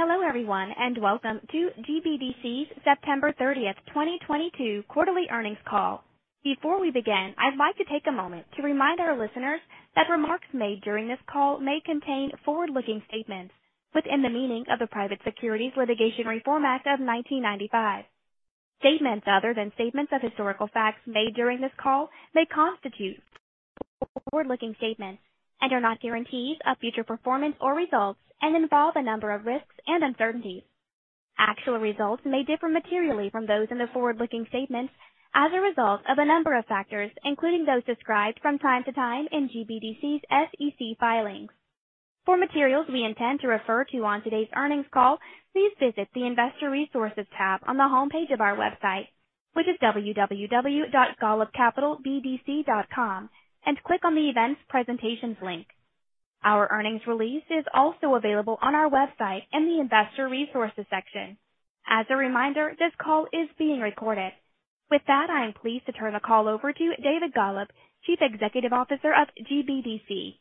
Hello, everyone, and welcome to GBDC's September 30th, 2022 quarterly earnings call. Before we begin, I'd like to take a moment to remind our listeners that remarks made during this call may contain forward-looking statements within the meaning of the Private Securities Litigation Reform Act of 1995. Statements other than statements of historical facts made during this call may constitute forward-looking statements and are not guarantees of future performance or results and involve a number of risks and uncertainties. Actual results may differ materially from those in the forward-looking statements as a result of a number of factors, including those described from time to time in GBDC's SEC. filings. For materials we intend to refer to on today's earnings call, please visit the Investor Resources tab on the homepage of our website, which is www.golubcapitalbdc.com, and click on the Events Presentations link. Our earnings release is also available on our website in the Investor Resources section. As a reminder, this call is being recorded. With that, I am pleased to turn the call over to David Golub, Chief Executive Officer of GBDC.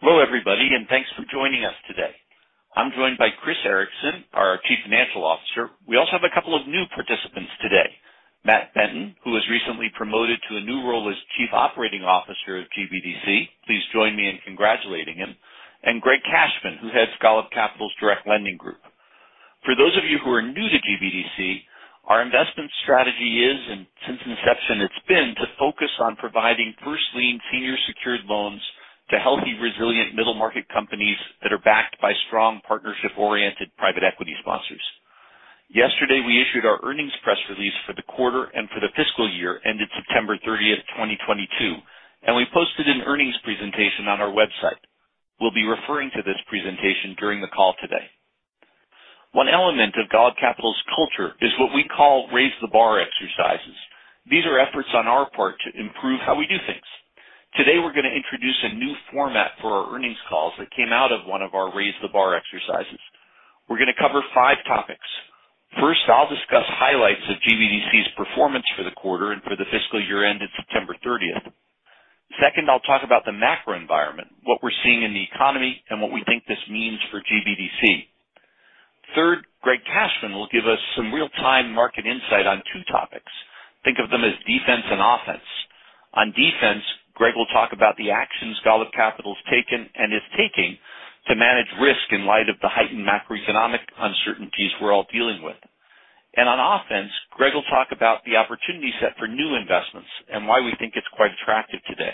Hello, everybody, and thanks for joining us today. I'm joined by Chris Ericson, our Chief Financial Officer. We also have a couple of new participants today. Matt Benton, who was recently promoted to a new role as Chief Operating Officer of GBDC. Please join me in congratulating him. Greg Cashman, who heads Golub Capital's Direct Lending Group. For those of you who are new to GBDC, our investment strategy is, and since inception it's been, to focus on providing first lien senior secured loans to healthy, resilient middle market companies that are backed by strong partnership-oriented private equity sponsors. Yesterday, we issued our earnings press release for the quarter and for the fiscal year ended September 30th, 2022, and we posted an earnings presentation on our website. We'll be referring to this presentation during the call today. One element of Golub Capital's culture is what we call raise the bar exercises. These are efforts on our part to improve how we do things. Today we're gonna introduce a new format for our earnings calls that came out of one of our raise the bar exercises. We're gonna cover five topics. First, I'll discuss highlights of GBDC's performance for the quarter and for the fiscal year ended September 30th. Second, I'll talk about the macro environment, what we're seeing in the economy, and what we think this means for GBDC. Third, Greg Cashman will give us some real-time market insight on two topics. Think of them as defense and offense. On defense, Greg will talk about the actions Golub Capital's taken and is taking to manage risk in light of the heightened macroeconomic uncertainties we're all dealing with. On offense, Greg will talk about the opportunity set for new investments and why we think it's quite attractive today.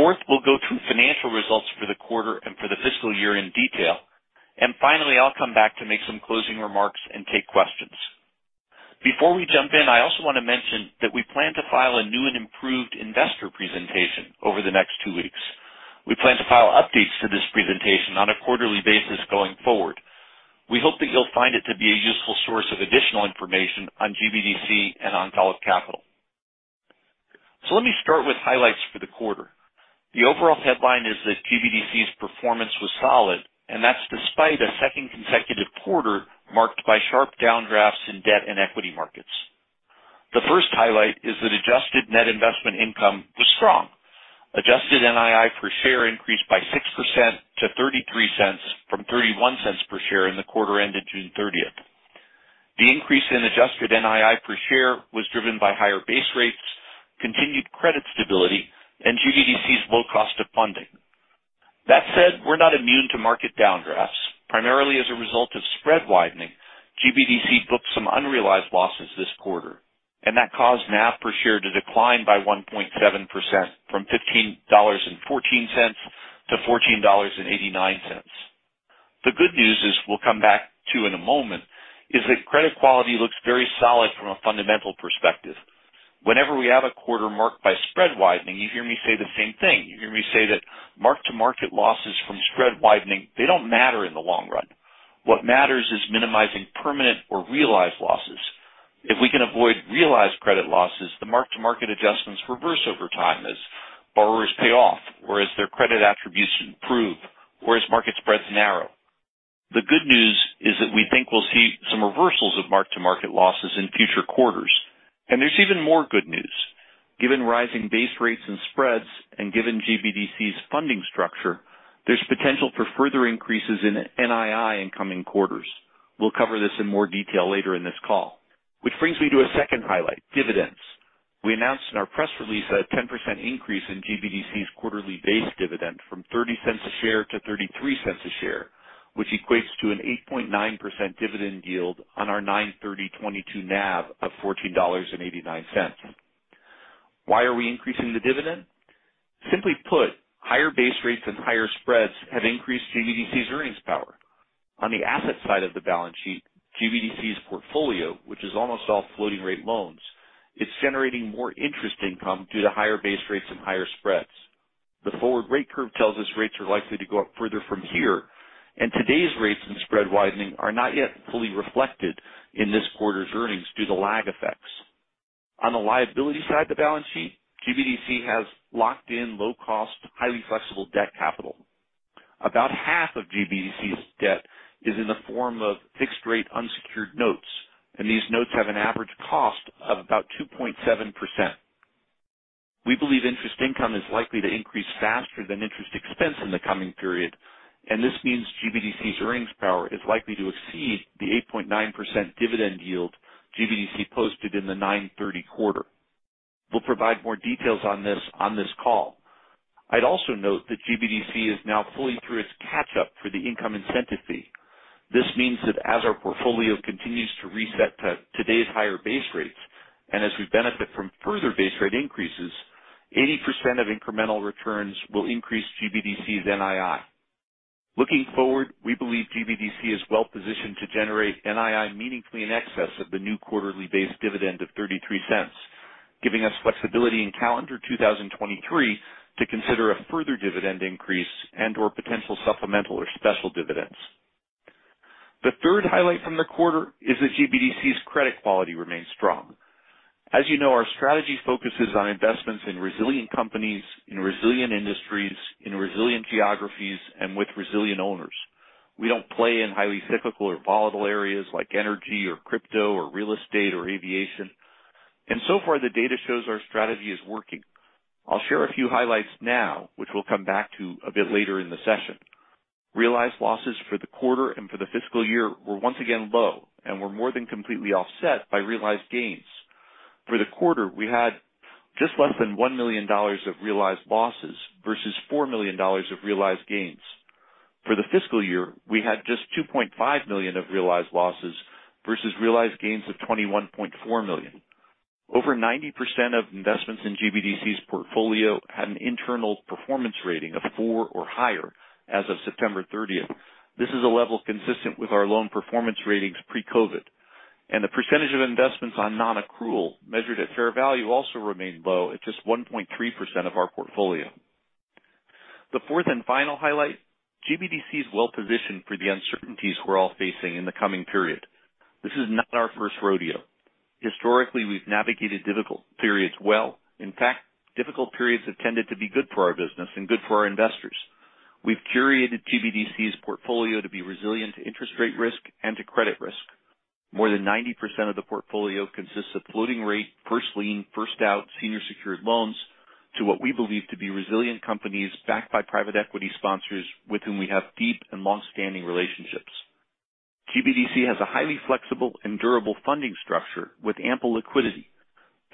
Fourth, we'll go through financial results for the quarter and for the fiscal year in detail. Finally, I'll come back to make some closing remarks and take questions. Before we jump in, I also want to mention that we plan to file a new and improved investor presentation over the next two weeks. We plan to file updates to this presentation on a quarterly basis going forward. We hope that you'll find it to be a useful source of additional information on GBDC and on Golub Capital. Let me start with highlights for the quarter. The overall headline is that GBDC's performance was solid, and that's despite a second consecutive quarter marked by sharp downdrafts in debt and equity markets. The first highlight is that adjusted net investment income was strong. Adjusted NII per share increased by 6% to $0.33 from $0.31 per share in the quarter ended June 30th. The increase in adjusted NII per share was driven by higher base rates, continued credit stability, and GBDC's low cost of funding. That said, we're not immune to market downdrafts. Primarily as a result of spread widening, GBDC booked some unrealized losses this quarter, and that caused NAV per share to decline by 1.7% from $15.14 to $14.89. The good news is we'll come back to in a moment is that credit quality looks very solid from a fundamental perspective. Whenever we have a quarter marked by spread widening, you hear me say the same thing. You hear me say that mark-to-market losses from spread widening, they don't matter in the long run. What matters is minimizing permanent or realized losses. If we can avoid realized credit losses, the mark-to-market adjustments reverse over time as borrowers pay off or as their credit attributes improve, or as market spreads narrow. The good news is that we think we'll see some reversals of mark-to-market losses in future quarters. There's even more good news. Given rising base rates and spreads, and given GBDC's funding structure, there's potential for further increases in NII in coming quarters. We'll cover this in more detail later in this call. Brings me to a second highlight, dividends. We announced in our press release a 10% increase in GBDC's quarterly base dividend from $0.30 a share to $0.33 a share, which equates to an 8.9% dividend yield on our 9/30/2022 NAV of $14.89. Why are we increasing the dividend? Simply put, higher base rates and higher spreads have increased GBDC's earnings power. On the asset side of the balance sheet, GBDC's portfolio, which is almost all floating-rate loans, is generating more interest income due to higher base rates and higher spreads. The forward rate curve tells us rates are likely to go up further from here, and today's rates and spread widening are not yet fully reflected in this quarter's earnings due to lag effects. On the liability side of the balance sheet, GBDC has locked in low cost, highly flexible debt capital. About half of GBDC's debt is in the form of fixed rate unsecured notes. These notes have an average cost of about 2.7%. We believe interest income is likely to increase faster than interest expense in the coming period. This means GBDC's earnings power is likely to exceed the 8.9% dividend yield GBDC posted in the 9/30 quarter. We'll provide more details on this call. I'd also note that GBDC is now fully through its catch-up for the income incentive fee. This means that as our portfolio continues to reset to today's higher base rates, and as we benefit from further base rate increases, 80% of incremental returns will increase GBDC's NII. Looking forward, we believe GBDC is well-positioned to generate NII meaningfully in excess of the new quarterly-based dividend of $0.33, giving us flexibility in calendar 2023 to consider a further dividend increase and/or potential supplemental or special dividends. The third highlight from the quarter is that GBDC's credit quality remains strong. As you know, our strategy focuses on investments in resilient companies, in resilient industries, in resilient geographies, and with resilient owners. We don't play in highly cyclical or volatile areas like energy or crypto or real estate or aviation. So far, the data shows our strategy is working. I'll share a few highlights now, which we'll come back to a bit later in the session. Realized losses for the quarter and for the fiscal year were once again low and were more than completely offset by realized gains. For the quarter, we had just less than $1 million of realized losses versus $4 million of realized gains. For the fiscal year, we had just $2.5 million of realized losses versus realized gains of $21.4 million. Over 90% of investments in GBDC's portfolio had an internal performance rating of 4 or higher as of September 30th. This is a level consistent with our loan performance ratings pre-COVID. The percentage of investments on non-accrual measured at fair value also remained low at just 1.3% of our portfolio. The fourth and final highlight, GBDC is well-positioned for the uncertainties we're all facing in the coming period. This is not our first rodeo. Historically, we've navigated difficult periods well. In fact, difficult periods have tended to be good for our business and good for our investors. We've curated GBDC's portfolio to be resilient to interest rate risk and to credit risk. More than 90% of the portfolio consists of floating rate, first lien, first out senior secured loans to what we believe to be resilient companies backed by private equity sponsors with whom we have deep and long-standing relationships. GBDC has a highly flexible and durable funding structure with ample liquidity.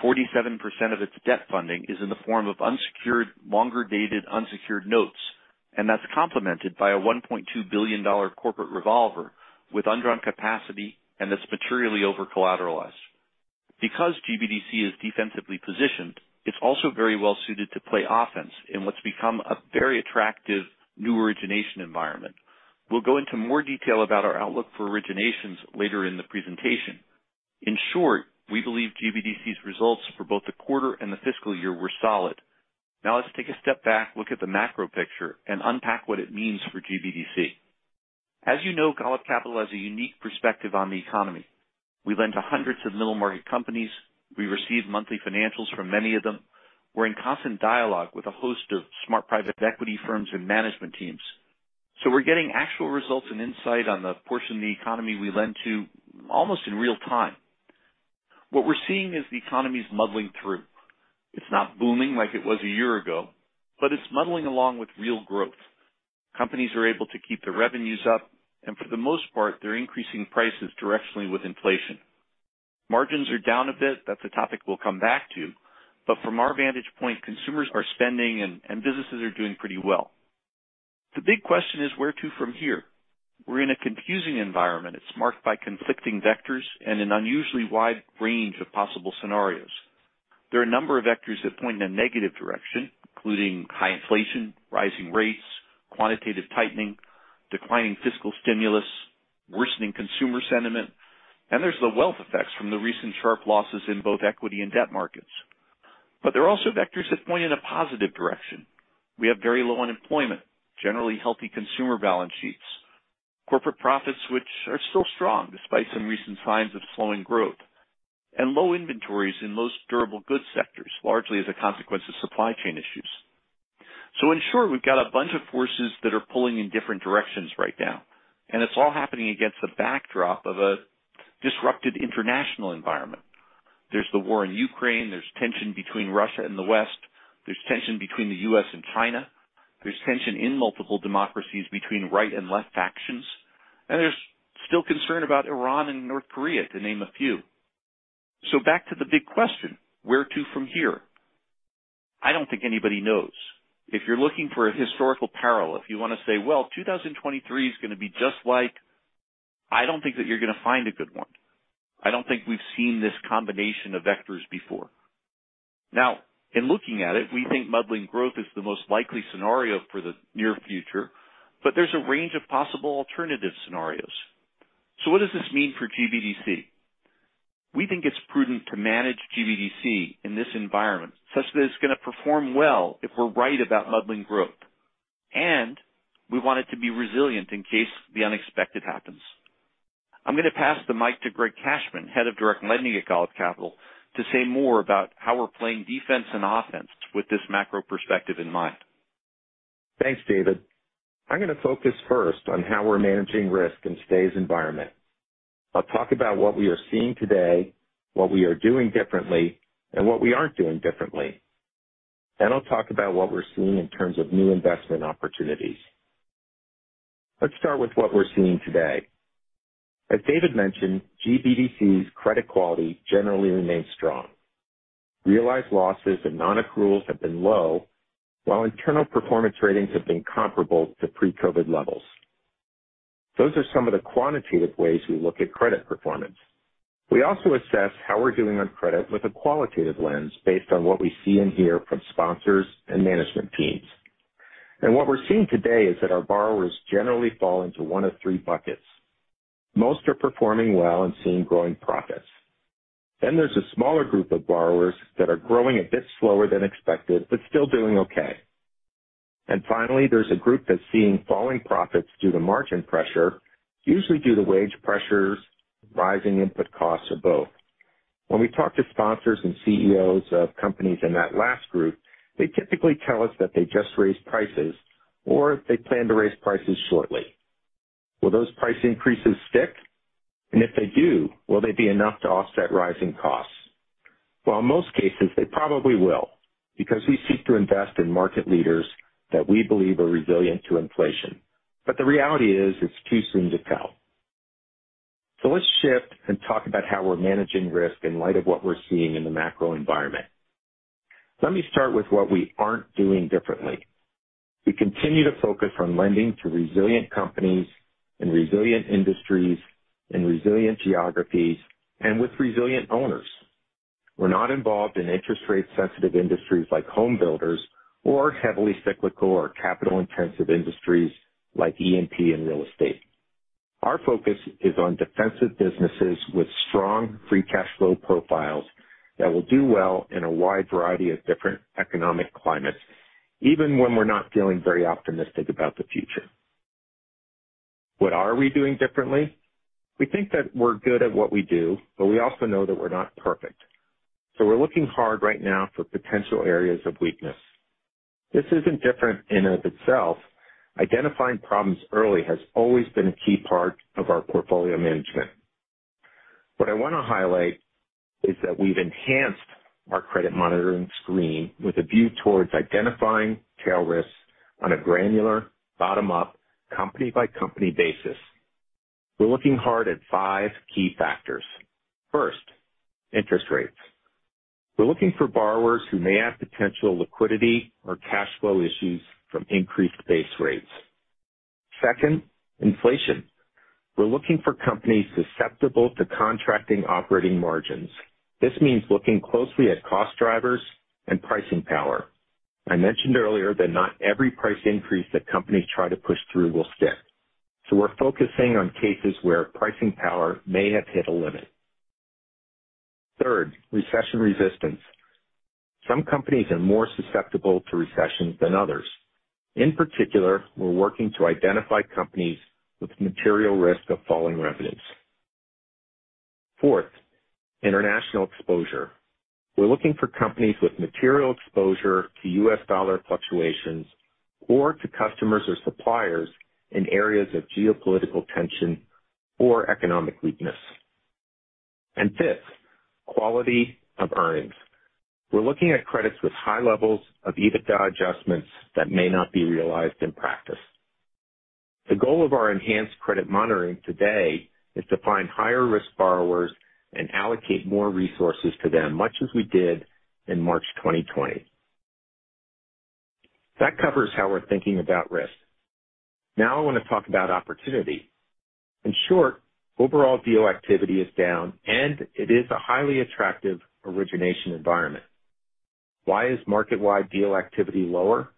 47% of its debt funding is in the form of unsecured, longer-dated unsecured notes, and that's complemented by a $1.2 billion corporate revolver with undrawn capacity and that's materially over-collateralized. Because GBDC is defensively positioned, it's also very well-suited to play offense in what's become a very attractive new origination environment. We'll go into more detail about our outlook for originations later in the presentation. In short, we believe GBDC's results for both the quarter and the fiscal year were solid. Let's take a step back, look at the macro picture, and unpack what it means for GBDC. As you know, Golub Capital has a unique perspective on the economy. We lend to hundreds of middle market companies. We receive monthly financials from many of them. We're in constant dialogue with a host of smart private equity firms and management teams. We're getting actual results and insight on the portion of the economy we lend to almost in real time. What we're seeing is the economy's muddling through. It's not booming like it was a year ago, but it's muddling along with real growth. Companies are able to keep their revenues up, and for the most part, they're increasing prices directionally with inflation. Margins are down a bit. That's a topic we'll come back to. From our vantage point, consumers are spending and businesses are doing pretty well. The big question is where to from here. We're in a confusing environment. It's marked by conflicting vectors and an unusually wide range of possible scenarios. There are a number of vectors that point in a negative direction, including high inflation, rising rates, quantitative tightening, declining fiscal stimulus, worsening consumer sentiment, and there's the wealth effects from the recent sharp losses in both equity and debt markets. There are also vectors that point in a positive direction. We have very low unemployment, generally healthy consumer balance sheets, corporate profits which are still strong despite some recent signs of slowing growth, and low inventories in most durable goods sectors, largely as a consequence of supply chain issues. In short, we've got a bunch of forces that are pulling in different directions right now, and it's all happening against the backdrop of a disrupted international environment. There's the war in Ukraine. There's tension between Russia and the West. There's tension between the U.S. and China. There's tension in multiple democracies between right and left factions. There's still concern about Iran and North Korea, to name a few. Back to the big question, where to from here? I don't think anybody knows. If you're looking for a historical parallel, if you wanna say, well, 2023 is gonna be just like, I don't think that you're gonna find a good one. I don't think we've seen this combination of vectors before. In looking at it, we think muddling growth is the most likely scenario for the near future, but there's a range of possible alternative scenarios. What does this mean for GBDC? We think it's prudent to manage GBDC in this environment such that it's gonna perform well if we're right about muddling growth, and we want it to be resilient in case the unexpected happens. I'm gonna pass the mic to Greg Cashman, Head of Direct Lending at Golub Capital, to say more about how we're playing defense and offense with this macro perspective in mind. Thanks, David. I'm gonna focus first on how we're managing risk in today's environment. I'll talk about what we are seeing today, what we are doing differently, and what we aren't doing differently. I'll talk about what we're seeing in terms of new investment opportunities. Let's start with what we're seeing today. As David mentioned, GBDC's credit quality generally remains strong. Realized losses and non-accruals have been low, while internal performance ratings have been comparable to pre-COVID levels. Those are some of the quantitative ways we look at credit performance. We also assess how we're doing on credit with a qualitative lens based on what we see and hear from sponsors and management teams. What we're seeing today is that our borrowers generally fall into one of three buckets. Most are performing well and seeing growing profits. There's a smaller group of borrowers that are growing a bit slower than expected, but still doing okay. Finally, there's a group that's seeing falling profits due to margin pressure, usually due to wage pressures, rising input costs, or both. When we talk to sponsors and CEOs of companies in that last group, they typically tell us that they just raised prices or they plan to raise prices shortly. Will those price increases stick? If they do, will they be enough to offset rising costs? In most cases, they probably will, because we seek to invest in market leaders that we believe are resilient to inflation. The reality is it's too soon to tell. Let's shift and talk about how we're managing risk in light of what we're seeing in the macro environment. Let me start with what we aren't doing differently. We continue to focus on lending to resilient companies and resilient industries and resilient geographies and with resilient owners. We're not involved in interest rate-sensitive industries like home builders or heavily cyclical or capital-intensive industries like E&P and real estate. Our focus is on defensive businesses with strong free cash flow profiles that will do well in a wide variety of different economic climates, even when we're not feeling very optimistic about the future. What are we doing differently? We think that we're good at what we do, but we also know that we're not perfect. We're looking hard right now for potential areas of weakness. This isn't different in and of itself. Identifying problems early has always been a key part of our portfolio management. What I wanna highlight is that we've enhanced our credit monitoring screen with a view towards identifying tail risks on a granular bottom-up, company-by-company basis. We're looking hard at five key factors. First, interest rates. We're looking for borrowers who may have potential liquidity or cash flow issues from increased base rates. Second, inflation. We're looking for companies susceptible to contracting operating margins. This means looking closely at cost drivers and pricing power. I mentioned earlier that not every price increase that companies try to push through will stick, so we're focusing on cases where pricing power may have hit a limit. Third, recession resistance. Some companies are more susceptible to recessions than others. In particular, we're working to identify companies with material risk of falling revenues. Fourth, international exposure. We're looking for companies with material exposure to U.S- dollar fluctuations or to customers or suppliers in areas of geopolitical tension or economic weakness. Fifth, quality of earnings. We're looking at credits with high levels of EBITDA adjustments that may not be realized in practice. The goal of our enhanced credit monitoring today is to find higher risk borrowers and allocate more resources to them, much as we did in March 2020. That covers how we're thinking about risk. I wanna talk about opportunity. In short, overall deal activity is down, it is a highly attractive origination environment. Why is market-wide deal activity lower?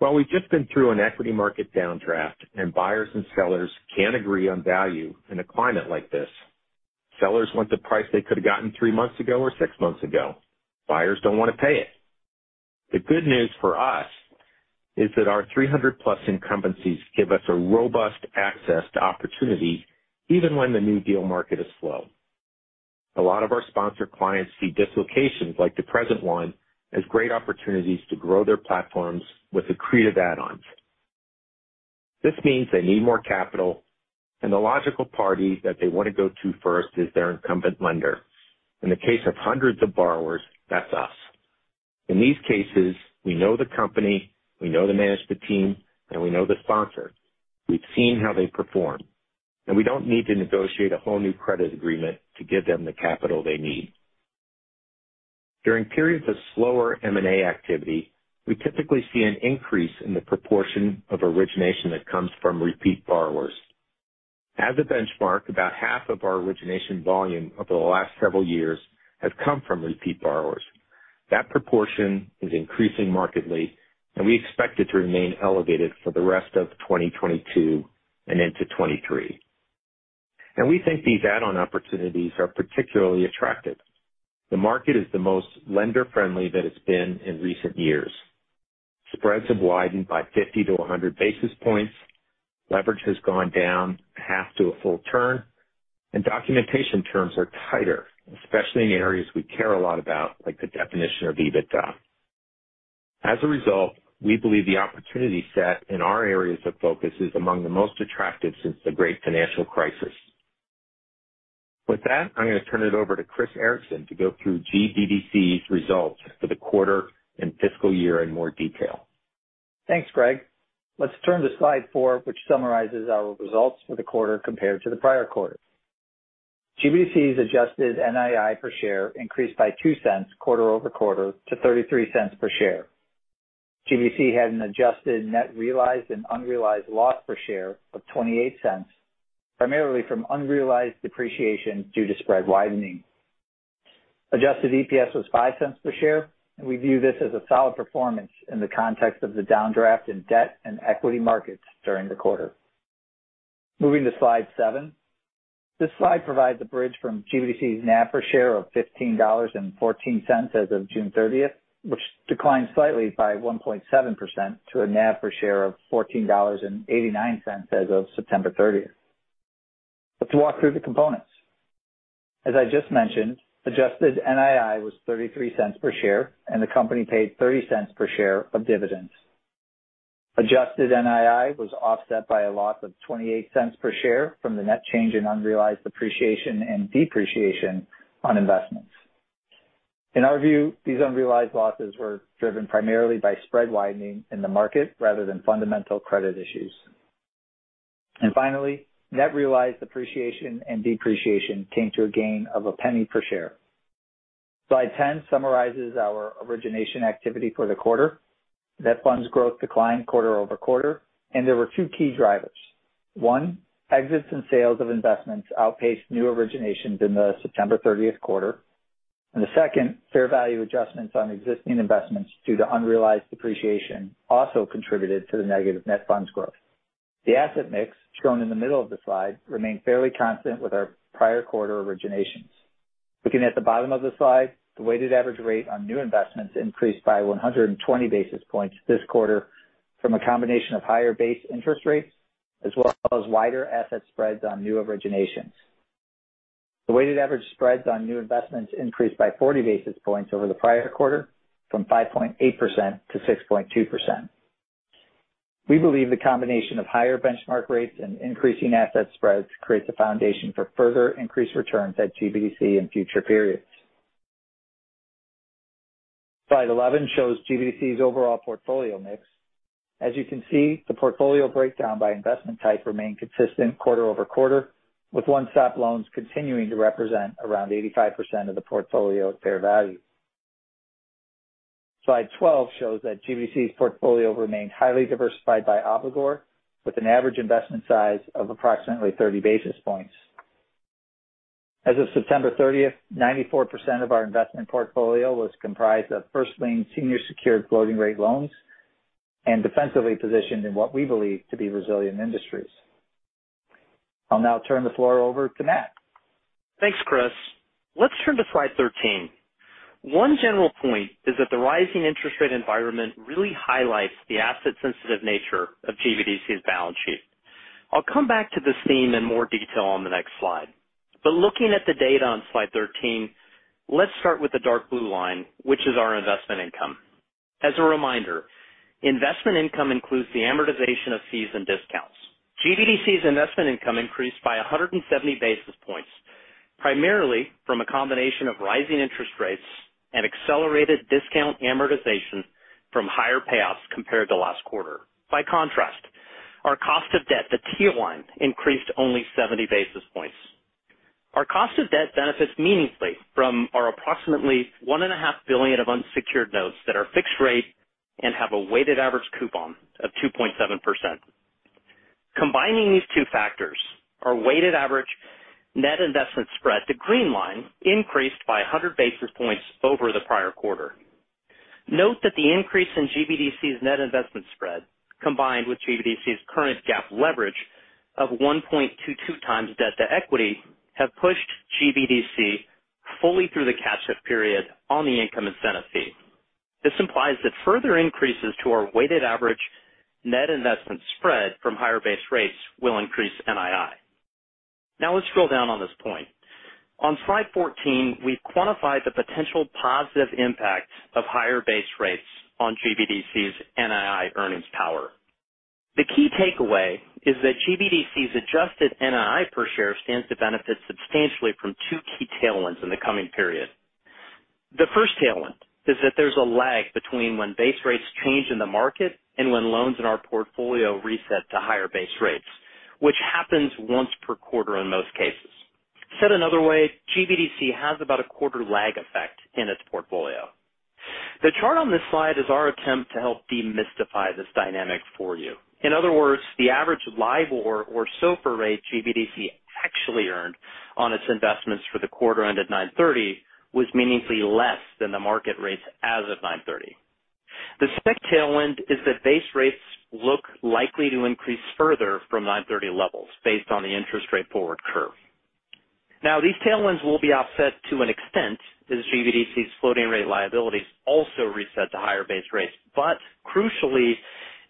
Well, we've just been through an equity market downdraft, buyers and sellers can't agree on value in a climate like this. Sellers want the price they could have gotten three months ago or six months ago. Buyers don't wanna pay it. The good news for us is that our 300+ incumbencies give us a robust access to opportunity even when the new deal market is slow. A lot of our sponsor clients see dislocations like the present one as great opportunities to grow their platforms with accretive add-ons. This means they need more capital, and the logical party that they wanna go to first is their incumbent lender. In the case of hundreds of borrowers, that's us. In these cases, we know the company, we know the management team, and we know the sponsor. We've seen how they perform, and we don't need to negotiate a whole new credit agreement to give them the capital they need. During periods of slower M&A activity, we typically see an increase in the proportion of origination that comes from repeat borrowers. As a benchmark, about half of our origination volume over the last several years has come from repeat borrowers. That proportion is increasing markedly. We expect it to remain elevated for the rest of 2022 and into 2023. We think these add-on opportunities are particularly attractive. The market is the most lender-friendly that it's been in recent years. Spreads have widened by 50 basis points-100 basis points. Leverage has gone down half to a full turn. Documentation terms are tighter, especially in areas we care a lot about, like the definition of EBITDA. As a result, we believe the opportunity set in our areas of focus is among the most attractive since the great financial crisis. With that, I'm going to turn it over to Chris Ericson to go through GBDC's results for the quarter and fiscal year in more detail. Thanks, Greg. Let's turn to slide four, which summarizes our results for the quarter compared to the prior quarter. GBDC's adjusted NII per share increased by $0.02 quarter-over-quarter to $0.33 per share. GBDC had an adjusted net realized and unrealized loss per share of $0.28, primarily from unrealized depreciation due to spread widening. Adjusted EPS was $0.05 per share, and we view this as a solid performance in the context of the downdraft in debt and equity markets during the quarter. Moving to slide seven. This slide provides a bridge from GBDC's NAV per share of $15.14 as of June 30th, which declined slightly by 1.7% to a NAV per share of $14.89 as of September 30th. Let's walk through the components. As I just mentioned, Adjusted NII was $0.33 per share. The company paid $0.30 per share of dividends. Adjusted NII was offset by a loss of $0.28 per share from the net change in unrealized appreciation and depreciation on investments. In our view, these unrealized losses were driven primarily by spread widening in the market rather than fundamental credit issues. Finally, net realized appreciation and depreciation came to a gain of $0.01 per share. Slide 10 summarizes our origination activity for the quarter. Net funds growth declined quarter-over-quarter. There were two key drivers. One, exits and sales of investments outpaced new originations in the September 30th quarter. The second, fair value adjustments on existing investments due to unrealized depreciation, also contributed to the negative net funds growth. The asset mix shown in the middle of the slide remained fairly constant with our prior quarter originations. Looking at the bottom of the slide, the weighted average rate on new investments increased by 120 basis points this quarter from a combination of higher base interest rates as well as wider asset spreads on new originations. The weighted average spreads on new investments increased by 40 basis points over the prior quarter from 5.8% to 6.2%. We believe the combination of higher benchmark rates and increasing asset spreads creates a foundation for further increased returns at GBDC in future periods. Slide 11 shows GBDC's overall portfolio mix. As you can see, the portfolio breakdown by investment type remained consistent quarter-over-quarter, with one-stop loans continuing to represent around 85% of the portfolio at fair value. Slide 12 shows that GBDC's portfolio remained highly diversified by obligor with an average investment size of approximately 30 basis points. As of September 30th, 94% of our investment portfolio was comprised of first lien senior secured floating rate loans and defensively positioned in what we believe to be resilient industries. I'll now turn the floor over to Matt. Thanks, Chris. Let's turn to slide 13. One general point is that the rising interest rate environment really highlights the asset-sensitive nature of GBDC's balance sheet. I'll come back to this theme in more detail on the next slide. Looking at the data on slide 13, let's start with the dark blue line, which is our investment income. As a reminder, investment income includes the amortization of fees and discounts. GBDC's investment income increased by 170 basis points, primarily from a combination of rising interest rates and accelerated discount amortization from higher payoffs compared to last quarter. Our cost of debt, the tier one, increased only 70 basis points. Our cost of debt benefits meaningfully from our approximately $1.5 billion of unsecured notes that are fixed-rate and have a weighted average coupon of 2.7%. Combining these two factors, our weighted average net investment spread, the green line, increased by 100 basis points over the prior quarter. Note that the increase in GBDC's net investment spread, combined with GBDC's current GAAP leverage of 1.22x debt to equity, have pushed GBDC fully through the catch-up period on the income incentive fee. This implies that further increases to our weighted average net investment spread from higher base rates will increase NII. Now let's scroll down on this point. On slide 14, we've quantified the potential positive impacts of higher base rates on GBDC's NII earnings power. The key takeaway is that GBDC's adjusted NII per share stands to benefit substantially from two key tailwinds in the coming period. The first tailwind is that there's a lag between when base rates change in the market and when loans in our portfolio reset to higher base rates, which happens once per quarter in most cases. Said another way, GBDC has about a quarter lag effect in its portfolio. The chart on this slide is our attempt to help demystify this dynamic for you. In other words, the average LIBOR or SOFR rate GBDC actually earned on its investments for the quarter ended 9/30 was meaningfully less than the market rates as of 9/30. The second tailwind is that base rates look likely to increase further from 9/30 levels based on the interest rate forward curve. These tailwinds will be offset to an extent as GBDC's floating rate liabilities also reset to higher base rates. Crucially,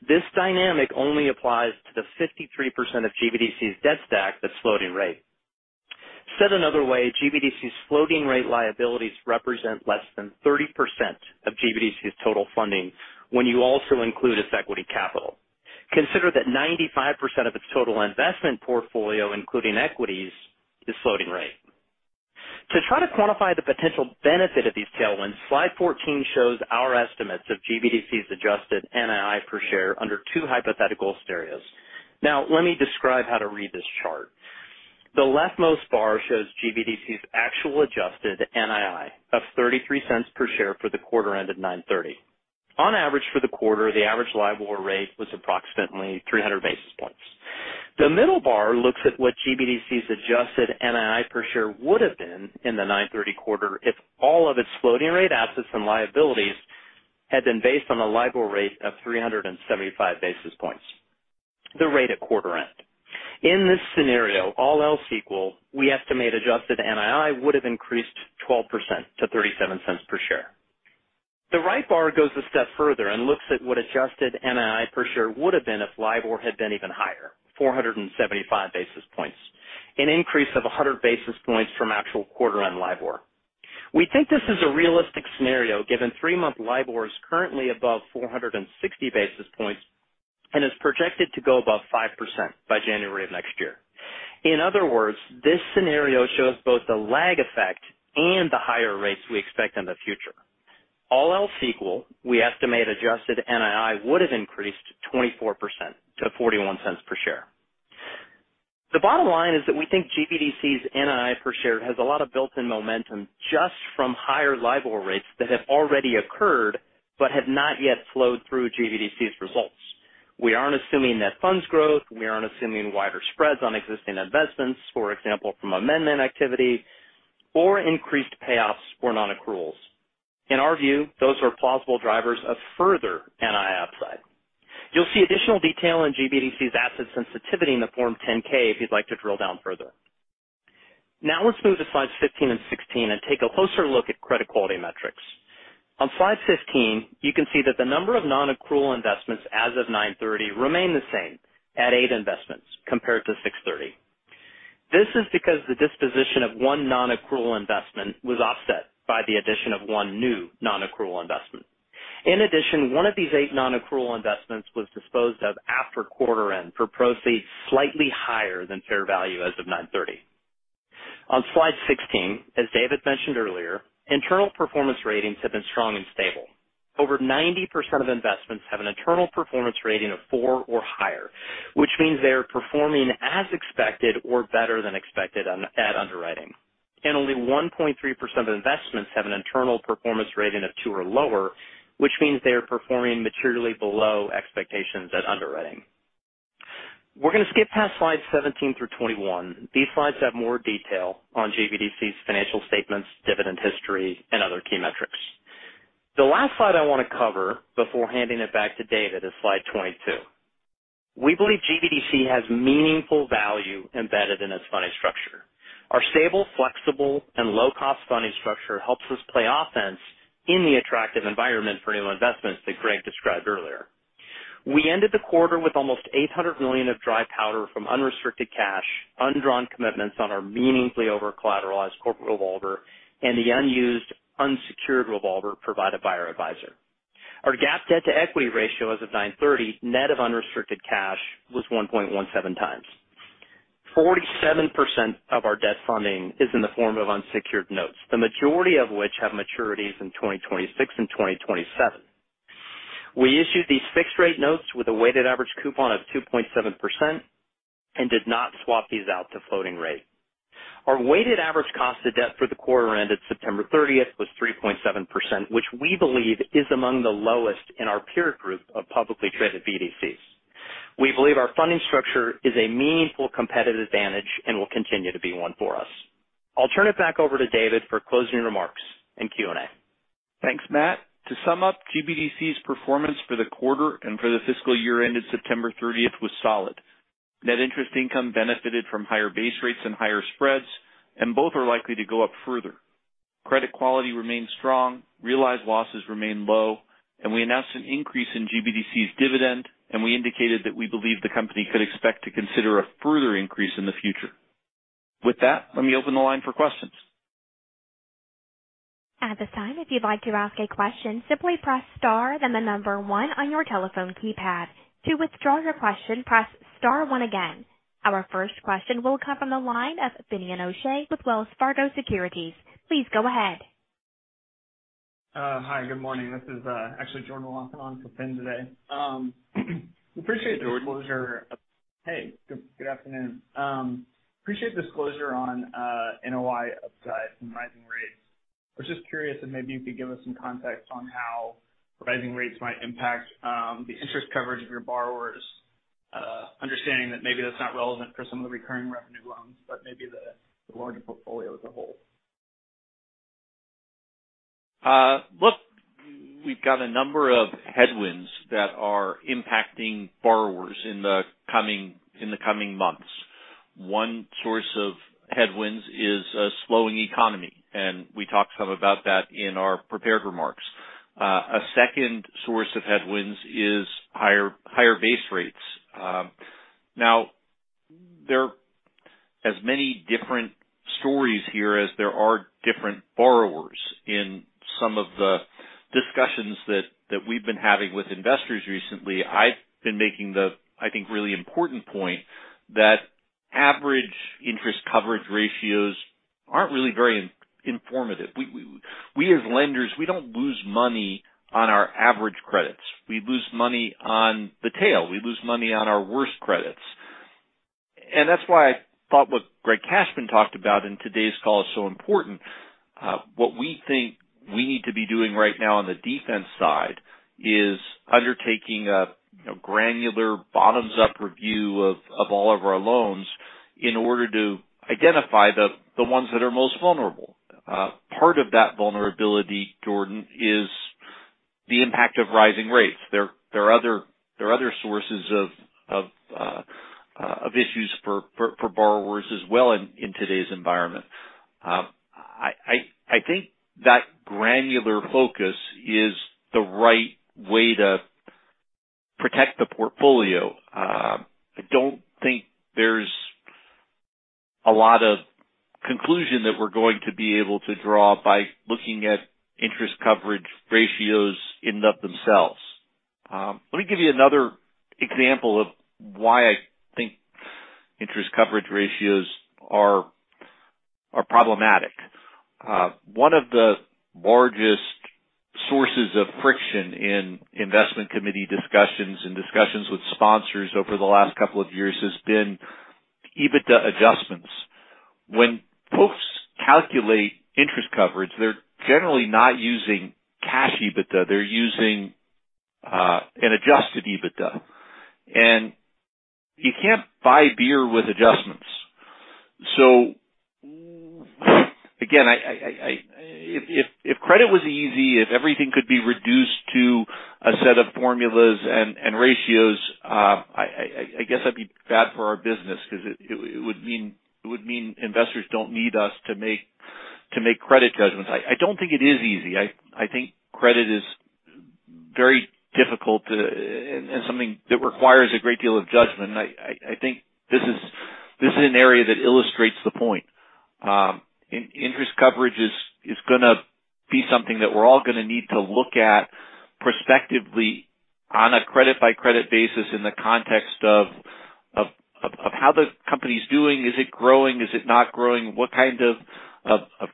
this dynamic only applies to the 53% of GBDC's debt stack that's floating rate. Said another way, GBDC's floating rate liabilities represent less than 30% of GBDC's total funding when you also include its equity capital. Consider that 95% of its total investment portfolio, including equities, is floating rate. To try to quantify the potential benefit of these tailwinds, slide 14 shows our estimates of GBDC's adjusted NII per share under two hypothetical scenarios. Now, let me describe how to read this chart. The leftmost bar shows GBDC's actual adjusted NII of $0.33 per share for the quarter end of 9/30. On average for the quarter, the average LIBOR rate was approximately 300 basis points. The middle bar looks at what GBDC's adjusted NII per share would have been in the 9/30 quarter if all of its floating rate assets and liabilities had been based on a LIBOR rate of 375 basis points, the rate at quarter end. In this scenario, all else equal, we estimate adjusted NII would have increased 12% to $0.37 per share. The right bar goes a step further and looks at what adjusted NII per share would have been if LIBOR had been even higher, 475 basis points, an increase of 100 basis points from actual quarter on LIBOR. We think this is a realistic scenario given three-month LIBOR is currently above 460 basis points and is projected to go above 5% by January of next year. In other words, this scenario shows both the lag effect and the higher rates we expect in the future. All else equal, we estimate adjusted NII would have increased 24% to $0.41 per share. The bottom line is that we think GBDC's NII per share has a lot of built-in momentum just from higher LIBOR rates that have already occurred but have not yet flowed through GBDC's results. We aren't assuming net funds growth. We aren't assuming wider spreads on existing investments, for example, from amendment activity or increased payoffs or non-accruals. In our view, those are plausible drivers of further NII upside. You'll see additional detail on GBDC's asset sensitivity in the Form 10-K if you'd like to drill down further. Let's move to slides 15 and 16 and take a closer look at credit quality metrics. On slide 15, you can see that the number of non-accrual investments as of 9/30 remain the same at eight investments compared to 6/30. This is because the disposition of one non-accrual investment was offset by the addition of one new non-accrual investment. One of these eight non-accrual investments was disposed of after quarter end for proceeds slightly higher than fair value as of 9/30. On slide 16, as David mentioned earlier, internal performance ratings have been strong and stable. Over 90% of investments have an internal performance rating of four or higher, which means they are performing as expected or better than expected at underwriting. Only 1.3% of investments have an internal performance rating of 2 or lower, which means they are performing materially below expectations at underwriting. We're gonna skip past slides 17 through 21. These slides have more detail on GBDC's financial statements, dividend history and other key metrics. The last slide I wanna cover before handing it back to David is slide 22. We believe GBDC has meaningful value embedded in its funding structure. Our stable, flexible and low cost funding structure helps us play offense in the attractive environment for new investments that Greg described earlier. We ended the quarter with almost $800 million of dry powder from unrestricted cash, undrawn commitments on our meaningfully over collateralized corporate revolver and the unused unsecured revolver provided by our advisor. Our GAAP debt to equity ratio as of 9/30, net of unrestricted cash, was 1.17x. 47% of our debt funding is in the form of unsecured notes, the majority of which have maturities in 2026 and 2027. We issued these fixed rate notes with a weighted average coupon of 2.7% and did not swap these out to floating rate. Our weighted average cost of debt for the quarter ended September 30th was 3.7%, which we believe is among the lowest in our peer group of publicly traded BDCs. We believe our funding structure is a meaningful competitive advantage and will continue to be one for us. I'll turn it back over to David for closing remarks and Q&A. Thanks, Matt. To sum up, GBDC's performance for the quarter and for the fiscal year ended September 30th was solid. Net interest income benefited from higher base rates and higher spreads, and both are likely to go up further. Credit quality remains strong, realized losses remain low, and we announced an increase in GBDC's dividend, and we indicated that we believe the company could expect to consider a further increase in the future. With that, let me open the line for questions. At this time, if you'd like to ask a question, simply press star then the number one on your telephone keypad. To withdraw your question, press star one again. Our first question will come from the line of Please go ahead. Hi, good morning. This is actually Jordan walking on for Finn today. Appreciate the disclosure. Hey, Jordan. Good afternoon. Appreciate the disclosure on NOI upside from rising rates. I was just curious if maybe you could give us some context on how rising rates might impact the interest coverage of your borrowers, understanding that maybe that's not relevant for some of the recurring revenue loans, but maybe the larger portfolio as a whole. We've got a number of headwinds that are impacting borrowers in the coming months. One source of headwinds is a slowing economy, and we talked some about that in our prepared remarks. A second source of headwinds is higher base rates. There are as many different stories here as there are different borrowers. In some of the discussions that we've been having with investors recently, I've been making the, I think, really important point that average interest coverage ratios aren't really very informative. We as lenders, we don't lose money on our average credits. We lose money on the tail. We lose money on our worst credits. That's why I thought what Greg Cashman talked about in today's call is so important. What we think we need to be doing right now on the defense side is undertaking a, you know, granular bottoms-up review of all of our loans in order to identify the ones that are most vulnerable. Part of that vulnerability, Jordan, is the impact of rising rates. There are other sources of issues for borrowers as well in today's environment. I think that granular focus is the right way to protect the portfolio. I don't think there's a lot of conclusion that we're going to be able to draw by looking at interest coverage ratios in and of themselves. Let me give you another example of why I think interest coverage ratios are problematic. One of the largest sources of friction in investment committee discussions and discussions with sponsors over the last couple of years has been EBITDA adjustments. When folks calculate interest coverage, they're generally not using cash EBITDA. They're using an Adjusted EBITDA. You can't buy beer with adjustments. Again, if credit was easy, if everything could be reduced to a set of formulas and ratios, I guess that'd be bad for our business because it would mean investors don't need us to make credit judgments. I don't think it is easy. I think credit is very difficult to and something that requires a great deal of judgment. I think this is an area that illustrates the point. Interest coverage is gonna be something that we're all gonna need to look at prospectively on a credit by credit basis in the context of how the company's doing. Is it growing? Is it not growing? What kind of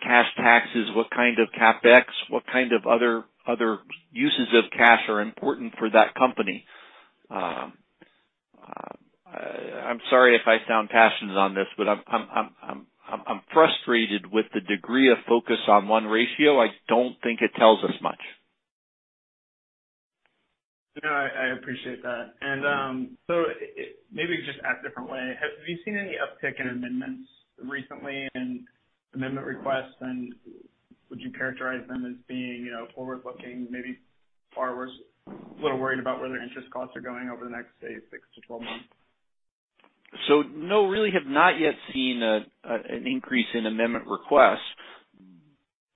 cash taxes? What kind of CapEx? What kind of other uses of cash are important for that company? I'm sorry if I sound passionate on this, but I'm frustrated with the degree of focus on one ratio. I don't think it tells us much. No, I appreciate that. Maybe just ask a different way. Have you seen any uptick in amendments recently and amendment requests, and would you characterize them as being, you know, forward-looking? Maybe borrowers a little worried about where their interest costs are going over the next, say, six to 12 months? No, really have not yet seen an increase in amendment requests,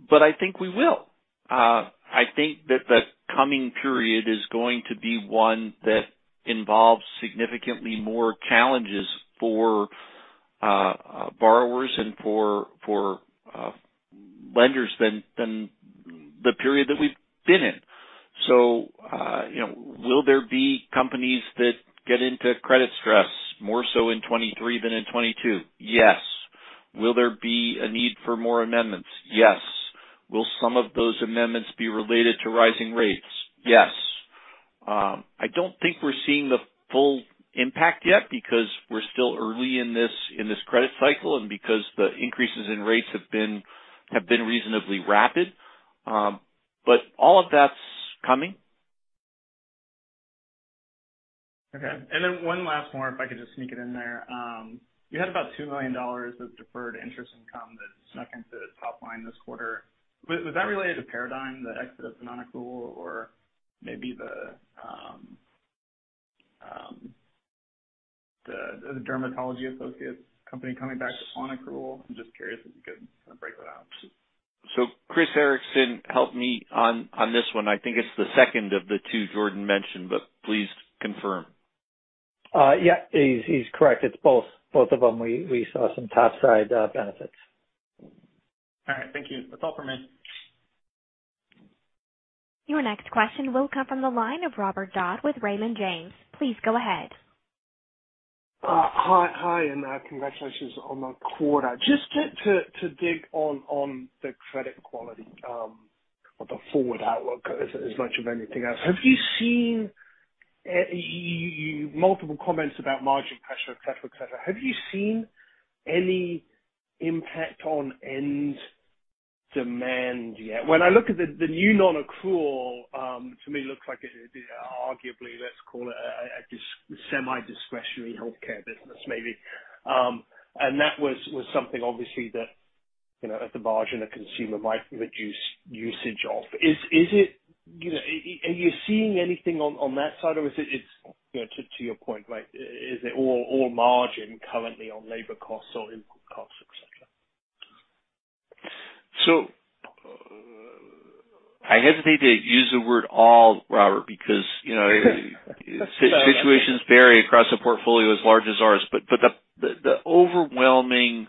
but I think we will. I think that the coming period is going to be one that involves significantly more challenges for borrowers and for lenders than the period that we've been in. You know, will there be companies that get into credit stress more so in 2023 than in 2022? Yes. Will there be a need for more amendments? Yes. Will some of those amendments be related to rising rates? Yes. I don't think we're seeing the full impact yet because we're still early in this credit cycle, and because the increases in rates have been reasonably rapid. All of that's coming. Okay. Then one last more, if I could just sneak it in there. You had about $2 million of deferred interest income that snuck into the top line this quarter. Was that related to Paradigm, the exit of non-accrual or maybe the Dermatology Associates company coming back to non-accrual? I'm just curious if you could kind of break that out. Chris Ericson, help me on this one. I think it's the second of the two Jordan mentioned, but please confirm. Yeah. He's correct. It's both of them, we saw some top side, benefits. All right. Thank you. That's all for me. Your next question will come from the line of Robert Dodd with Raymond James. Please go ahead. Hi. Hi, and congratulations on the quarter. Just to dig on the credit quality, or the forward outlook as much of anything else. Have you seen multiple comments about margin pressure, et cetera, et cetera. Have you seen any impact on end demand yet? When I look at the new non-accrual, to me looks like it arguably, let's call it a semi-discretionary healthcare business, maybe. That was something obviously that you know, at the margin, the consumer might reduce usage of. Is it, you know, are you seeing anything on that side or is it's, you know, to your point, right, is it all margin currently on labor costs or input costs, et cetera? I hesitate to use the word all, Robert, because, you know, situations vary across a portfolio as large as ours. The overwhelming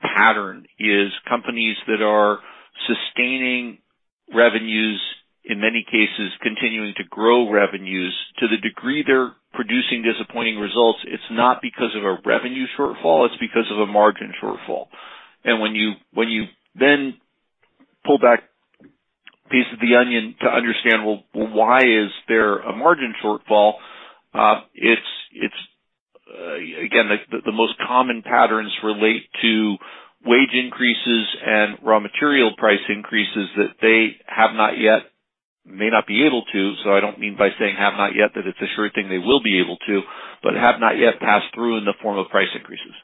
pattern is companies that are sustaining revenues, in many cases continuing to grow revenues to the degree they're producing disappointing results. It's not because of a revenue shortfall, it's because of a margin shortfall. When you, when you then pull back pieces of the onion to understand, well, why is there a margin shortfall? It's, again, the most common patterns relate to wage increases and raw material price increases that they have not yet, may not be able to. I don't mean by saying have not yet that it's a sure thing they will be able to, but have not yet passed through in the form of price increases.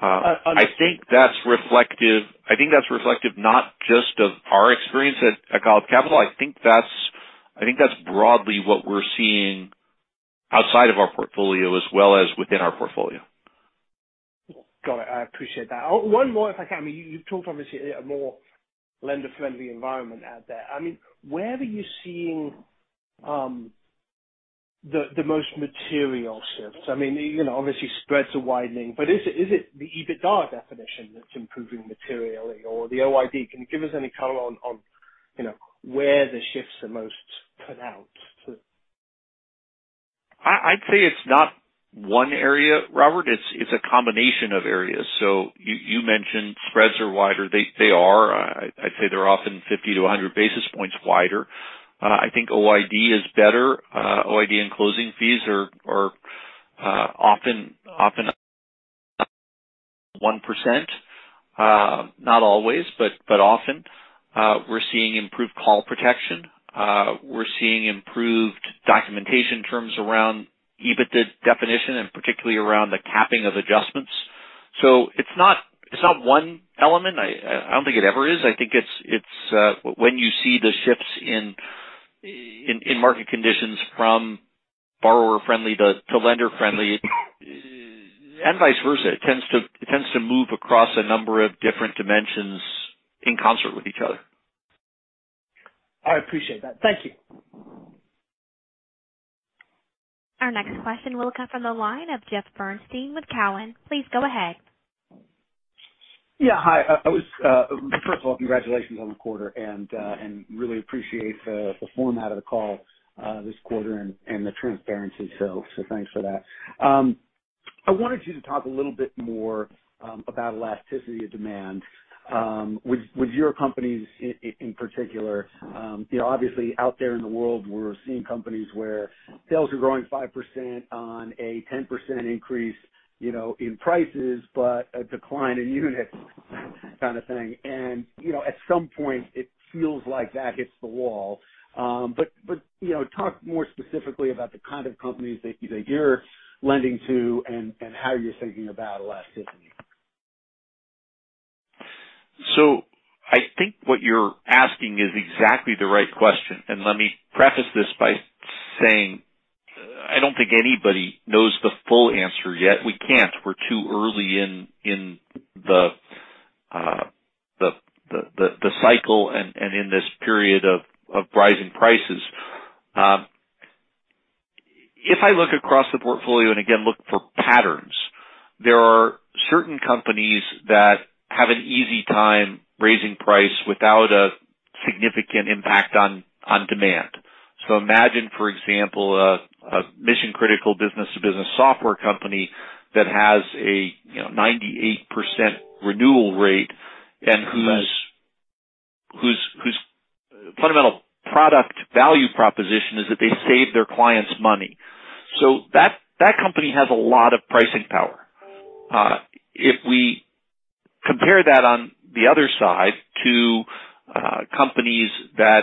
I think that's reflective not just of our experience at Golub Capital. I think that's broadly what we're seeing outside of our portfolio as well as within our portfolio. Got it. I appreciate that. One more, if I can. I mean, you've talked obviously a more lender-friendly environment out there. I mean, where are you seeing the most material shifts? I mean, you know, obviously spreads are widening, but is it the EBITDA definition that's improving materially or the OID? Can you give us any color on, you know, where the shifts are most pronounced? I'd say it's not one area, Robert. It's a combination of areas. You mentioned spreads are wider. They are. I'd say they're often 50 basis points-100 basis points wider. I think OID is better. OID and closing fees are often 1%. Not always, but often. We're seeing improved call protection. We're seeing improved documentation terms around EBITDA definition and particularly around the capping of adjustments. It's not one element. I don't think it ever is. I think it's when you see the shifts in market conditions from borrower friendly to lender friendly, and vice versa, it tends to move across a number of different dimensions in concert with each other. I appreciate that. Thank you. Our next question will come from the line of Jeff Bernstein with Cowen. Please go ahead. Yeah. Hi. First of all, congratulations on the quarter and really appreciate the format of the call this quarter and the transparency. Thanks for that. I wanted you to talk a little bit more about elasticity of demand with your companies in particular. You know, obviously out there in the world, we're seeing companies where sales are growing 5% on a 10% increase, you know, in prices, but a decline in units kind of thing. You know, at some point it feels like that hits the wall. But, you know, talk more specifically about the kind of companies that you're lending to and how you're thinking about elasticity. I think what you're asking is exactly the right question. Let me preface this by saying I don't think anybody knows the full answer yet. We can't. We're too early in the cycle and in this period of rising prices. If I look across the portfolio and again look for patterns, there are certain companies that have an easy time raising price without a significant impact on demand. Imagine, for example, a mission-critical business to business software company that has a, you know, 98% renewal rate and whose fundamental product value proposition is that they save their clients money. That company has a lot of pricing power. If we compare that on the other side to companies that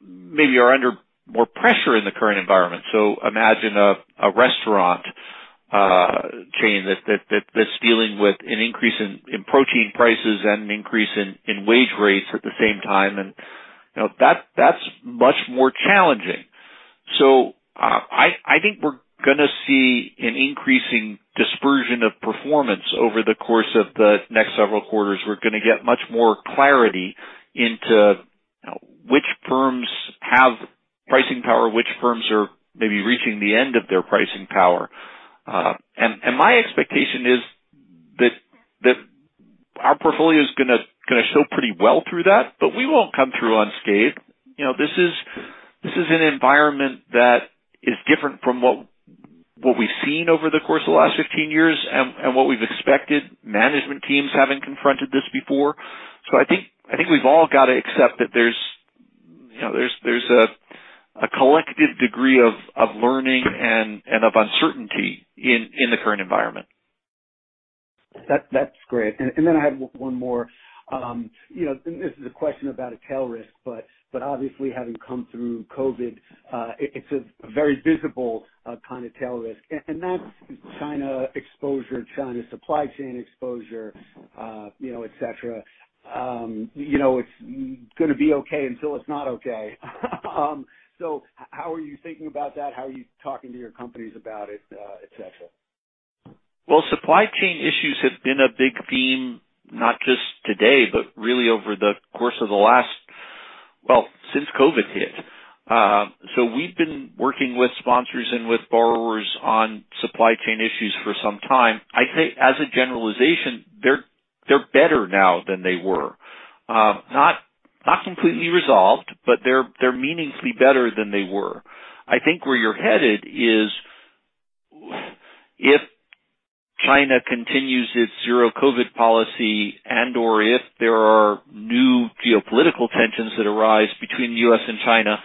maybe are under more pressure in the current environment. Imagine a restaurant chain that's dealing with an increase in protein prices and an increase in wage rates at the same time. You know, that's much more challenging. I think we're gonna see an increasing dispersion of performance over the course of the next several quarters. We're gonna get much more clarity into which firms have pricing power, which firms are maybe reaching the end of their pricing power. My expectation is that our portfolio is gonna show pretty well through that, but we won't come through unscathed. You know, this is an environment that is different from what we've seen over the course of the last 15 years and what we've expected. Management teams haven't confronted this before. I think we've all got to accept that there's, you know, there's a collective degree of learning and of uncertainty in the current environment. That's great. Then I have one more. You know, this is a question about a tail risk, but obviously having come through COVID, it's a very visible kind of tail risk. And that's China exposure, China supply chain exposure, you know, et cetera. You know, it's gonna be okay until it's not okay. How are you thinking about that? How are you talking to your companies about it, et cetera? Supply chain issues have been a big theme, not just today, but really over the course of the last... Well, since COVID hit. We've been working with sponsors and with borrowers on supply chain issues for some time. I'd say as a generalization, they're better now than they were. Not completely resolved, but they're meaningfully better than they were. I think where you're headed is if China continues its zero COVID policy and/or if there are new geopolitical tensions that arise between the U.S. and China,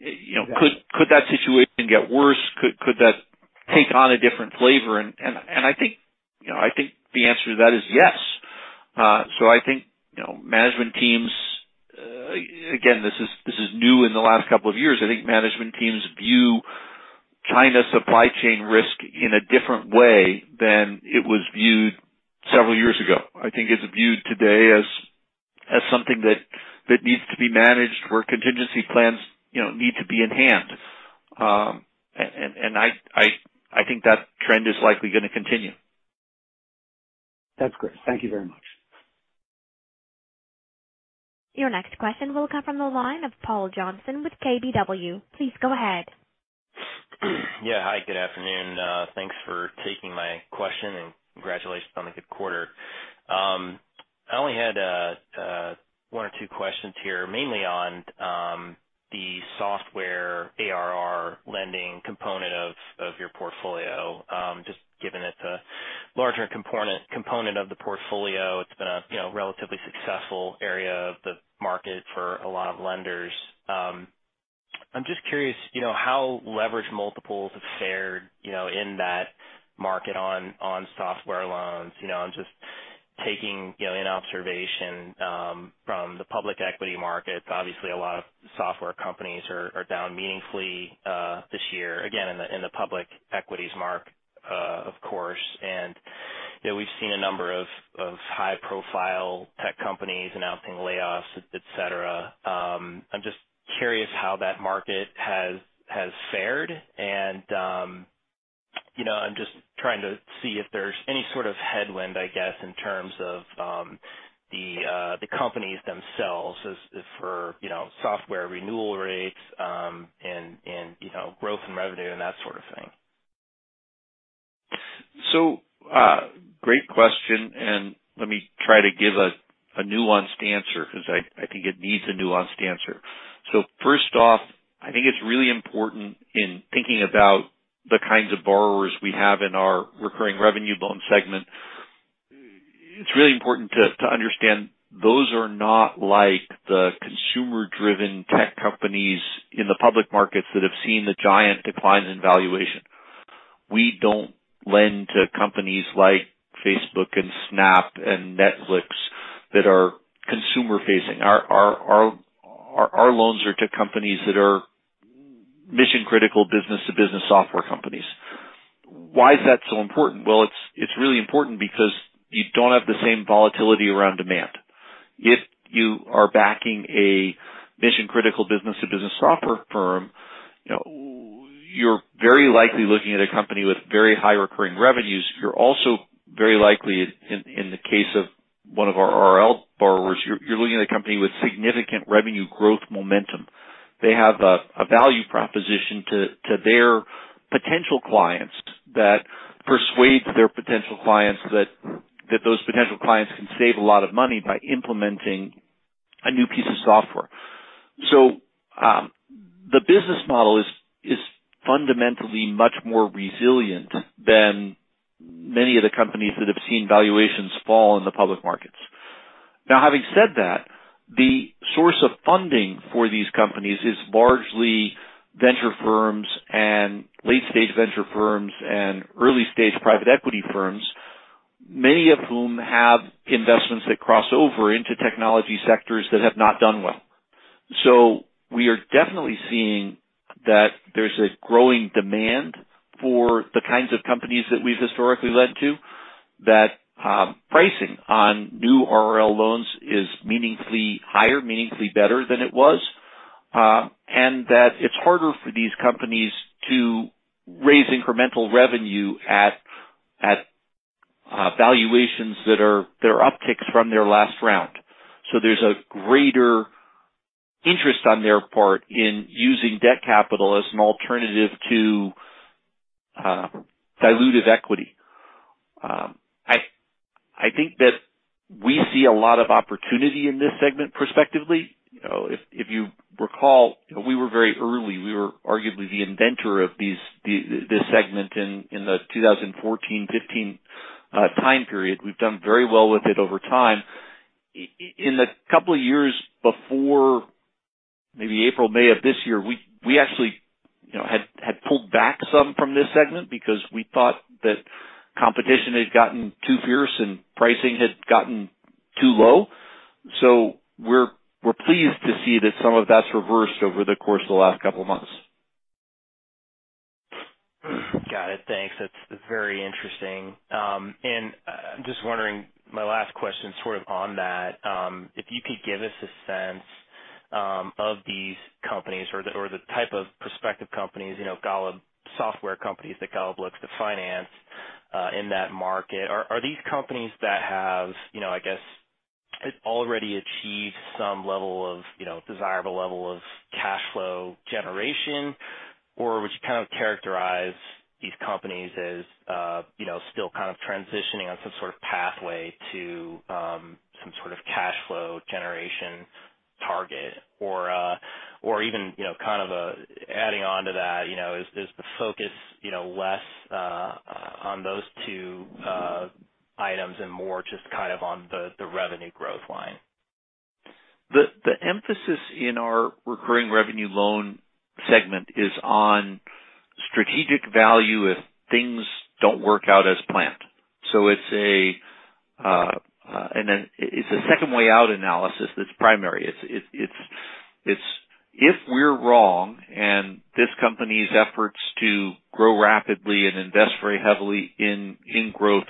you know. Yeah Could that situation get worse? Could that take on a different flavor? I think, you know, I think the answer to that is yes. I think, you know, management teams, again, this is new in the last couple of years. I think management teams view China supply chain risk in a different way than it was viewed several years ago. I think it's viewed today as something that needs to be managed, where contingency plans, you know, need to be enhanced. I think that trend is likely gonna continue. That's great. Thank you very much. Your next question will come from the line of Paul Johnson with KBW. Please go ahead. Yeah. Hi, good afternoon. Thanks for taking my question, and congratulations on the good quarter. I only had one or two questions here, mainly on the software ARR lending component of your portfolio. Just given it's a larger component of the portfolio. It's been a, you know, relatively successful area of the market for a lot of lenders. I'm just curious, you know, how leverage multiples have fared, you know, in that market on software loans. You know, I'm just taking, you know, an observation from the public equity markets. Obviously, a lot of software companies are down meaningfully this year. Again, in the public equities mark, of course. You know, we've seen a number of high profile tech companies announcing layoffs, et cetera. I'm just curious how that market has fared. You know, I'm just trying to see if there's any sort of headwind, I guess, in terms of, the companies themselves as for, you know, software renewal rates, and, you know, growth in revenue and that sort of thing. Great question, and let me try to give a nuanced answer because I think it needs a nuanced answer. First off, I think it's really important in thinking about the kinds of borrowers we have in our recurring revenue loan segment. It's really important to understand those are not like the consumer-driven tech companies in the public markets that have seen the giant declines in valuation. We don't lend to companies like Facebook and Snap and Netflix that are consumer-facing. Our loans are to companies that are mission-critical business-to-business software companies. Why is that so important? It's really important because you don't have the same volatility around demand. If you are backing a mission-critical business-to-business software firm, you know, you're very likely looking at a company with very high recurring revenues. You're also very likely in the case of one of our RL borrowers, you're looking at a company with significant revenue growth momentum. They have a value proposition to their potential clients that persuades their potential clients that those potential clients can save a lot of money by implementing a new piece of software. The business model is fundamentally much more resilient than many of the companies that have seen valuations fall in the public markets. Now, having said that, the source of funding for these companies is largely venture firms and late-stage venture firms and early-stage private equity firms, many of whom have investments that cross over into technology sectors that have not done well. We are definitely seeing that there's a growing demand for the kinds of companies that we've historically lent to. That pricing on new RL loans is meaningfully higher, meaningfully better than it was. It's harder for these companies to raise incremental revenue at valuations that are, they're upticks from their last round. There's a greater interest on their part in using debt capital as an alternative to dilutive equity. I think that we see a lot of opportunity in this segment prospectively. You know, if you recall, we were very early. We were arguably the inventor of this segment in the 2014, 15 time period. We've done very well with it over time. In the couple of years before, maybe April, May of this year, we actually, you know, had pulled back some from this segment because we thought that competition had gotten too fierce and pricing had gotten too low. We're pleased to see that some of that's reversed over the course of the last couple of months. Got it. Thanks. That's very interesting. I'm just wondering, my last question sort of on that, if you could give us a sense of these companies or the type of prospective companies, you know, Golub software companies that Golub looks to finance in that market. Are these companies that have, you know, I guess have already achieved some level of, you know, desirable level of cash flow generation? Or would you kind of characterize these companies as, you know, still kind of transitioning on some sort of pathway to some sort of cash flow generation target? Or even, you know, kind of adding on to that, you know, is the focus, you know, less on those two items and more just kind of on the revenue growth line? The emphasis in our recurring revenue loan segment is on strategic value if things don't work out as planned. It's a second way out analysis that's primary. It's if we're wrong and this company's efforts to grow rapidly and invest very heavily in growth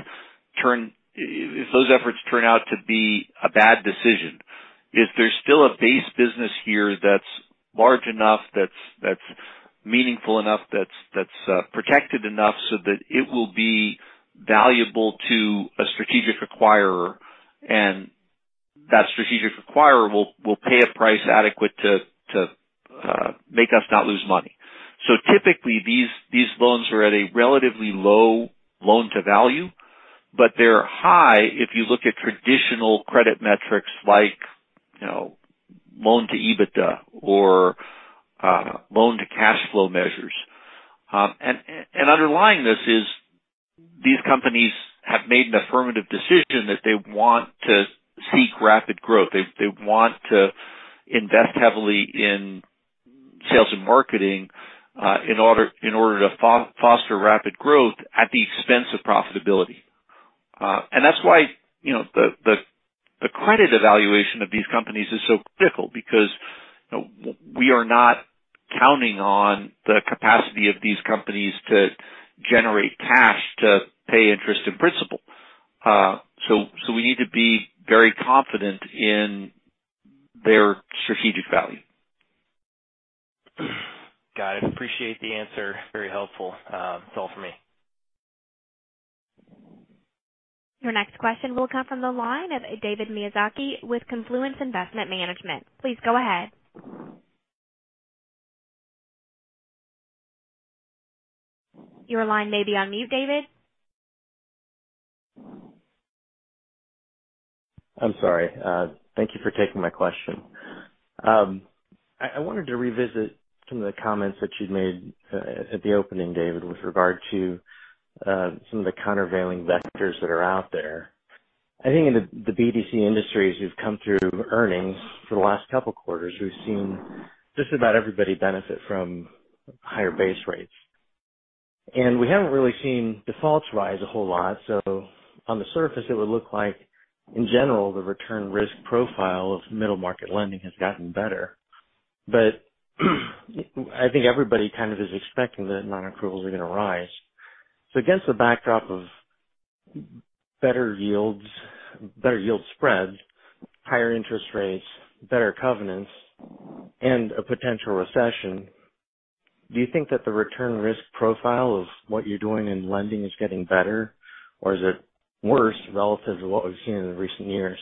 turn, if those efforts turn out to be a bad decision, is there still a base business here that's large enough, that's meaningful enough, that's protected enough so that it will be valuable to a strategic acquirer, and that strategic acquirer will pay a price adequate to make us not lose money. Typically, these loans are at a relatively low loan-to-value, but they're high if you look at traditional credit metrics like, you know, loan-to-EBITDA or loan-to-cash flow measures. Underlying this is these companies have made an affirmative decision that they want to seek rapid growth. They want to invest heavily in sales and marketing in order to foster rapid growth at the expense of profitability. That's why, you know, the credit evaluation of these companies is so critical because we are not counting on the capacity of these companies to generate cash to pay interest and principal. We need to be very confident in their strategic value. Got it. Appreciate the answer. Very helpful. That's all for me. Your next question will come from the line of David Miyazaki with Confluence Investment Management. Please go ahead. Your line may be on mute, David. I'm sorry. Thank you for taking my question. I wanted to revisit some of the comments that you'd made at the opening, David, with regard to some of the countervailing vectors that are out there. I think in the BDC industries, we've come through earnings for the last couple quarters. We've seen just about everybody benefit from higher base rates. We haven't really seen defaults rise a whole lot. On the surface, it would look like, in general, the return risk profile of middle market lending has gotten better. I think everybody kind of is expecting that non-accruals are going to rise. Against the backdrop of better yields, better yield spreads, higher interest rates, better covenants, and a potential recession, do you think that the return risk profile of what you're doing in lending is getting better, or is it worse relative to what we've seen in recent years?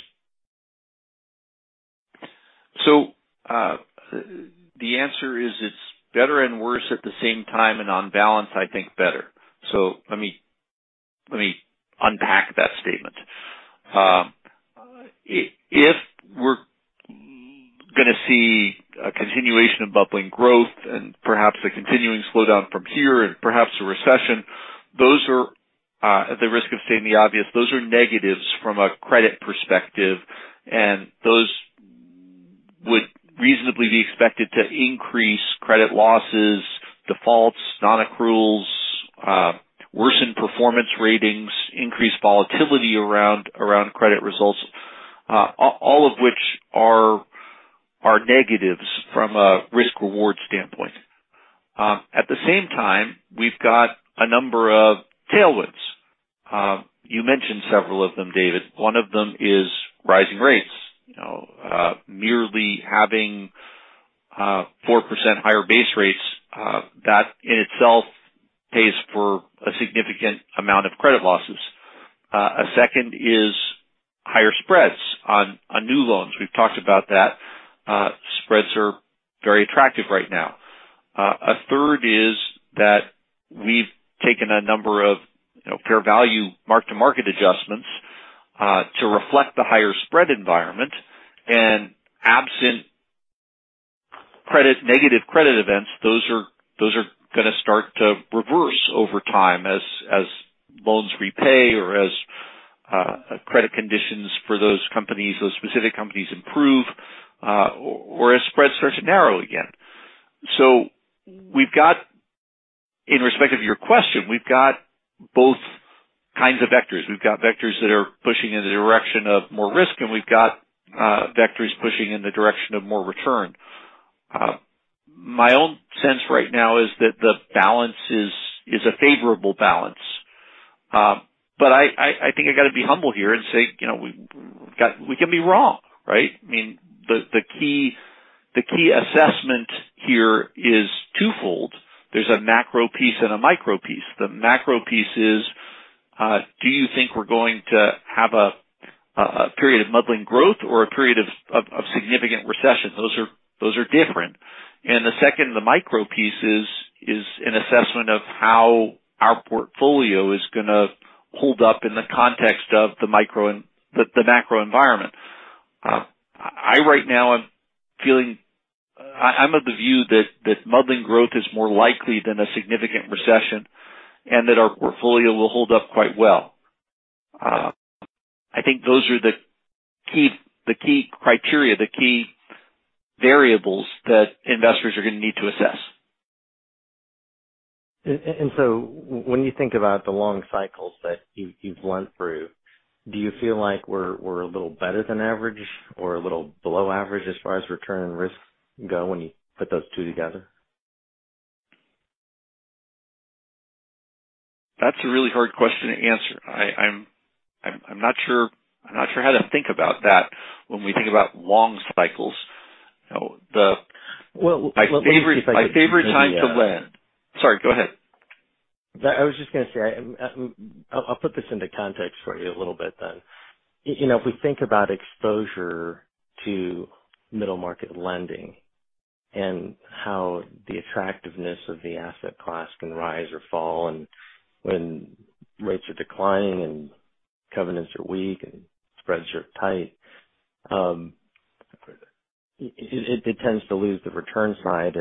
The answer is it's better and worse at the same time, and on balance, I think better. Let me unpack that statement. If we're gonna see a continuation of bubbling growth and perhaps a continuing slowdown from here and perhaps a recession, those are, at the risk of stating the obvious, those are negatives from a credit perspective, and those would reasonably be expected to increase credit losses, defaults, non-accruals, worsen performance ratings, increase volatility around credit results, all of which are negatives from a risk reward standpoint. At the same time, we've got a number of tailwinds. You mentioned several of them, David. One of them is rising rates. You know, merely having 4% higher base rates, that in itself pays for a significant amount of credit losses. A second is higher spreads on new loans. We've talked about that. Spreads are very attractive right now. A third is that we've taken a number of, you know, fair value mark-to-market adjustments to reflect the higher spread environment. Absent credit, negative credit events, those are gonna start to reverse over time as loans repay or as credit conditions for those companies, those specific companies improve, or as spreads start to narrow again. In respect of your question, we've got both kinds of vectors. We've got vectors that are pushing in the direction of more risk, and we've got vectors pushing in the direction of more return. My own sense right now is that the balance is a favorable balance. I think I got to be humble here and say, you know, we can be wrong, right? I mean, the key assessment here is twofold. There's a macro piece and a micro piece. The macro piece is, do you think we're going to have a period of muddling growth or a period of significant recession? Those are different. The second, the micro piece, is an assessment of how our portfolio is gonna hold up in the context of the macro environment. I'm of the view that muddling growth is more likely than a significant recession, and that our portfolio will hold up quite well. I think those are the key, the key criteria, the key variables that investors are gonna need to assess. When you think about the long cycles that you've went through, do you feel like we're a little better than average or a little below average as far as return risks go when you put those two together? That's a really hard question to answer. I'm not sure how to think about that when we think about long cycles. You know. Well, let me see if I. My favorite time to lend, sorry, go ahead. I was just gonna say, I'll put this into context for you a little bit then. You know, if we think about exposure to middle market lending and how the attractiveness of the asset class can rise or fall and when rates are declining and covenants are weak and spreads are tight, it tends to lose the return side.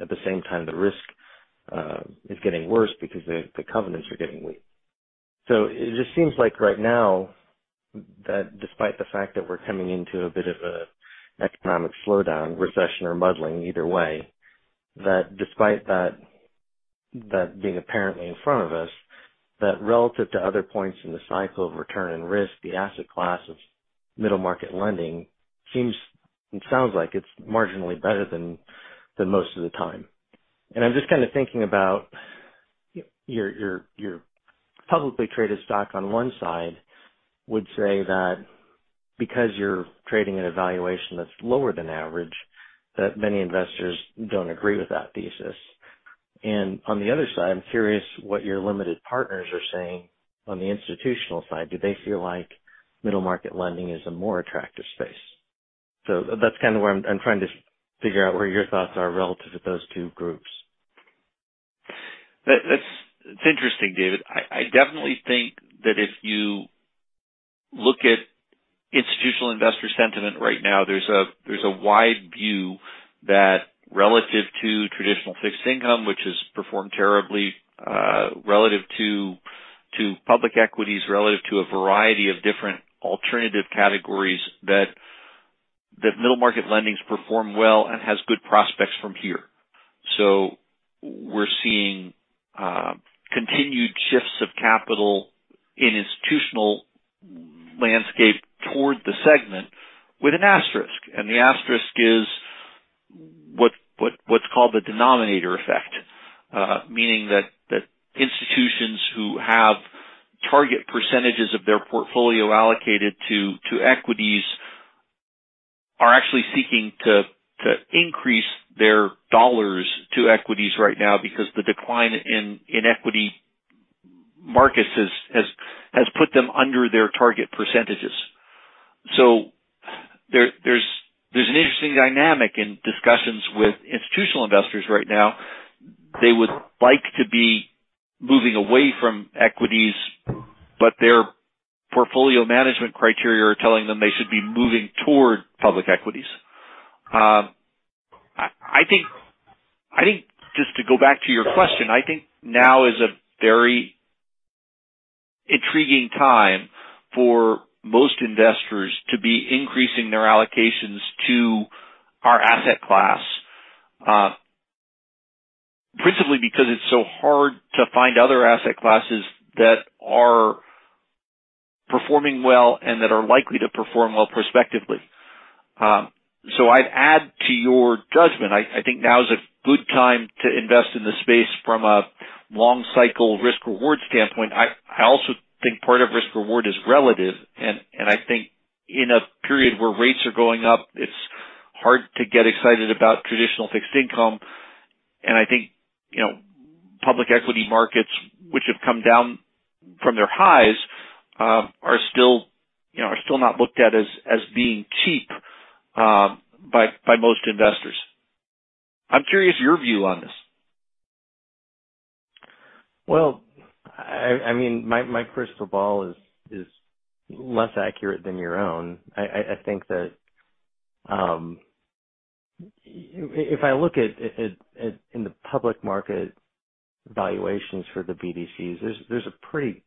At the same time, the risk is getting worse because the covenants are getting weak. It just seems like right now that despite the fact that we're coming into a bit of a economic slowdown, recession or muddling, either way, that despite that being apparently in front of us, that relative to other points in the cycle of return and risk, the asset class of middle market lending seems and sounds like it's marginally better than most of the time. I'm just kind of thinking about your publicly traded stock on one side would say that because you're trading at a valuation that's lower than average, that many investors don't agree with that thesis. On the other side, I'm curious what your limited partners are saying on the institutional side. Do they feel like middle market lending is a more attractive space? That's kinda where I'm trying to figure out where your thoughts are relative to those two groups. That's interesting, David. I definitely think that if you look at institutional investor sentiment right now, there's a wide view that relative to traditional fixed income, which has performed terribly, relative to public equities, relative to a variety of different alternative categories that middle market lendings perform well and has good prospects from here. We're seeing continued shifts of capital in institutional landscape toward the segment with an asterisk. The asterisk is what's called the denominator effect. Meaning that institutions who have target percentages of their portfolio allocated to equities are actually seeking to increase their dollars to equities right now because the decline in equity markets has put them under their target percentages. There's an interesting dynamic in discussions with institutional investors right now. They would like to be moving away from equities, but their portfolio management criteria are telling them they should be moving toward public equities. I think just to go back to your question. I think now is a very intriguing time for most investors to be increasing their allocations to our asset class, principally because it's so hard to find other asset classes that are performing well and that are likely to perform well prospectively. I'd add to your judgment. I think now is a good time to invest in this space from a long cycle risk reward standpoint. I also think part of risk reward is relative. I think in a period where rates are going up, it's hard to get excited about traditional fixed income. I think, you know, public equity markets which have come down from their highs, are still, you know, are still not looked at as being cheap, by most investors. I'm curious your view on this. Well, I mean, my crystal ball is less accurate than your own. I think that if I look at in the public market valuations for the BDCs, there's a pretty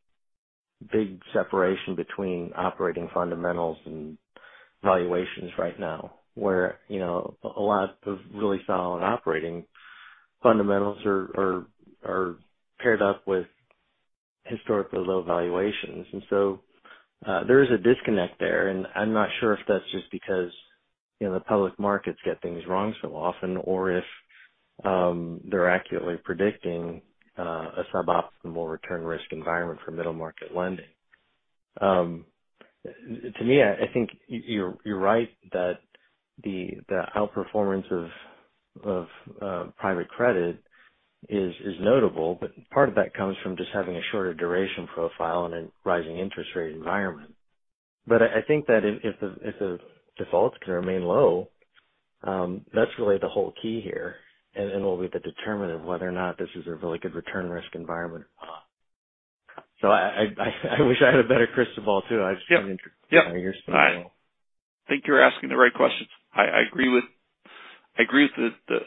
big separation between operating fundamentals and valuations right now, where, you know, a lot of really solid operating fundamentals are paired up with historically low valuations. There is a disconnect there. I'm not sure if that's just because, you know, the public markets get things wrong so often or if they're accurately predicting a suboptimal return risk environment for middle market lending. To me, I think you're right that the outperformance of private credit is notable, but part of that comes from just having a shorter duration profile in a rising interest rate environment. I think that if the defaults can remain low, that's really the whole key here, and it will be the determinant of whether or not this is a really good return risk environment. I wish I had a better crystal ball too. I just find your spiel. Yeah. I think you're asking the right questions. I agree with the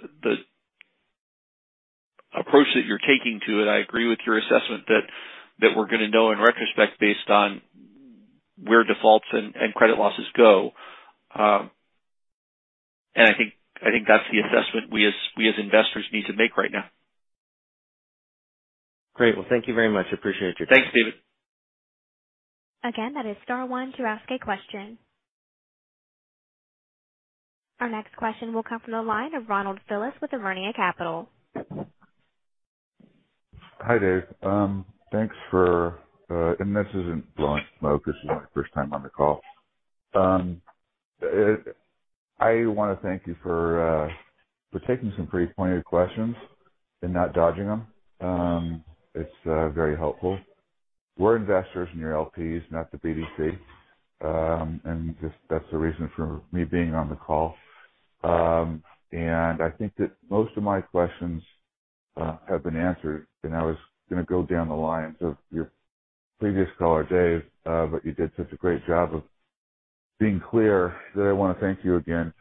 approach that you're taking to it. I agree with your assessment that we're gonna know in retrospect based on where defaults and credit losses go. I think that's the assessment we as investors need to make right now. Great. Well, thank you very much. Appreciate your time. Thanks, David. Again, that is star one to ask a question. Our next question will come from the line of [Ronald Stelus] with [A Capital]. Hi, Dave. Thanks for, this isn't blowing smoke. This is my first time on the call. I wanna thank you for taking some pretty pointed questions and not dodging them. It's very helpful. We're investors in your LPs, not the BDC. Just, that's the reason for me being on the call. I think that most of my questions have been answered, and I was gonna go down the lines of your previous caller, Dave, but you did such a great job of being clear that I wanna thank you again.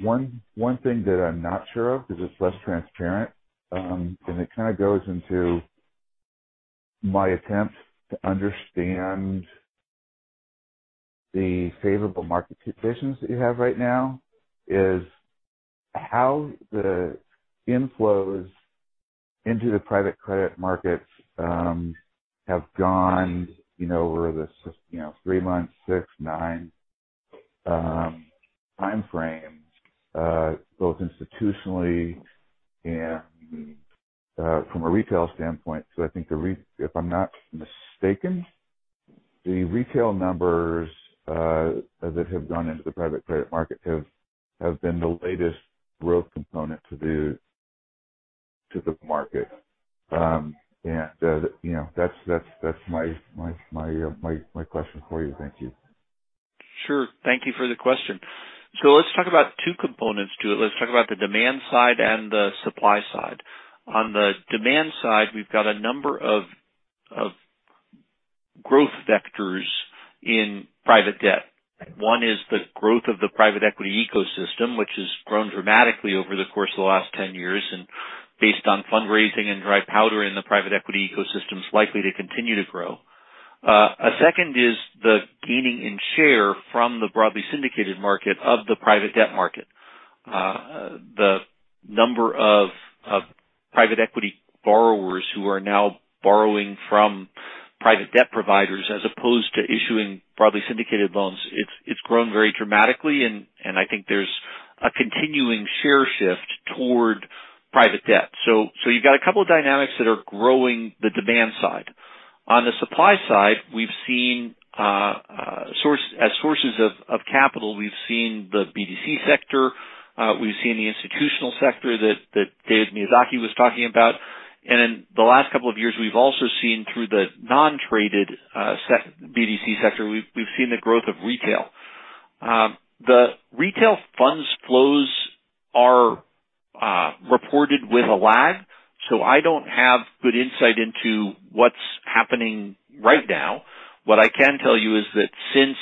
One thing that I'm not sure of because it's less transparent, and it kind of goes into my attempt to understand the favorable market conditions that you have right now, is how the inflows into the private credit markets have gone, you know, over this, you know, three months, six, nine timeframes, both institutionally and from a retail standpoint. If I'm not mistaken, the retail numbers that have gone into the private credit market have been the latest growth component to the market. And, you know, that's my question for you. Thank you. Sure. Thank you for the question. Let's talk about two components to it. Let's talk about the demand side and the supply side. On the demand side, we've got a number of growth vectors in private debt. One is the growth of the private equity ecosystem, which has grown dramatically over the course of the last 10 years. Based on fundraising and dry powder in the private equity ecosystem, is likely to continue to grow. A second is the gaining in share from the broadly syndicated market of the private debt market. The number of private equity borrowers who are now borrowing from private debt providers as opposed to issuing broadly syndicated loans, it's grown very dramatically, and I think there's a continuing share shift toward private debt. You've got a couple of dynamics that are growing the demand side. On the supply side, we've seen as sources of capital, we've seen the BDC sector. We've seen the institutional sector that David Miyazaki was talking about. In the last couple of years, we've also seen through the non-traded BDC sector, we've seen the growth of retail. The retail funds flows are reported with a lag, so I don't have good insight into what's happening right now. What I can tell you is that since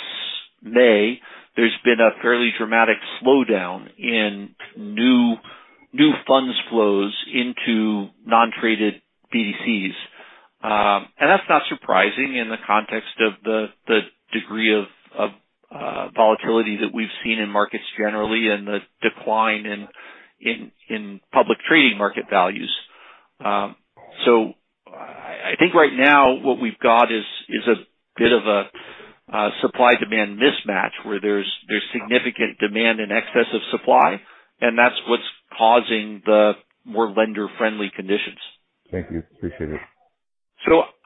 May, there's been a fairly dramatic slowdown in new funds flows into non-traded BDCs. That's not surprising in the context of the degree of volatility that we've seen in markets generally and the decline in public trading market values. I think right now what we've got is a bit of a supply-demand mismatch where there's significant demand in excess of supply, and that's what's causing the more lender-friendly conditions. Thank you. Appreciate it.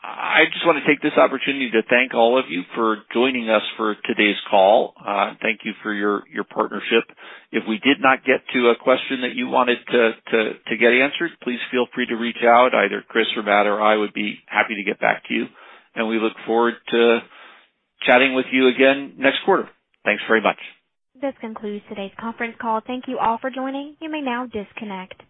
I just want to take this opportunity to thank all of you for joining us for today's call. Thank you for your partnership. If we did not get to a question that you wanted to get answered, please feel free to reach out. Either Chris or Matt or I would be happy to get back to you. We look forward to chatting with you again next quarter. Thanks very much. This concludes today's conference call. Thank you all for joining. You may now disconnect.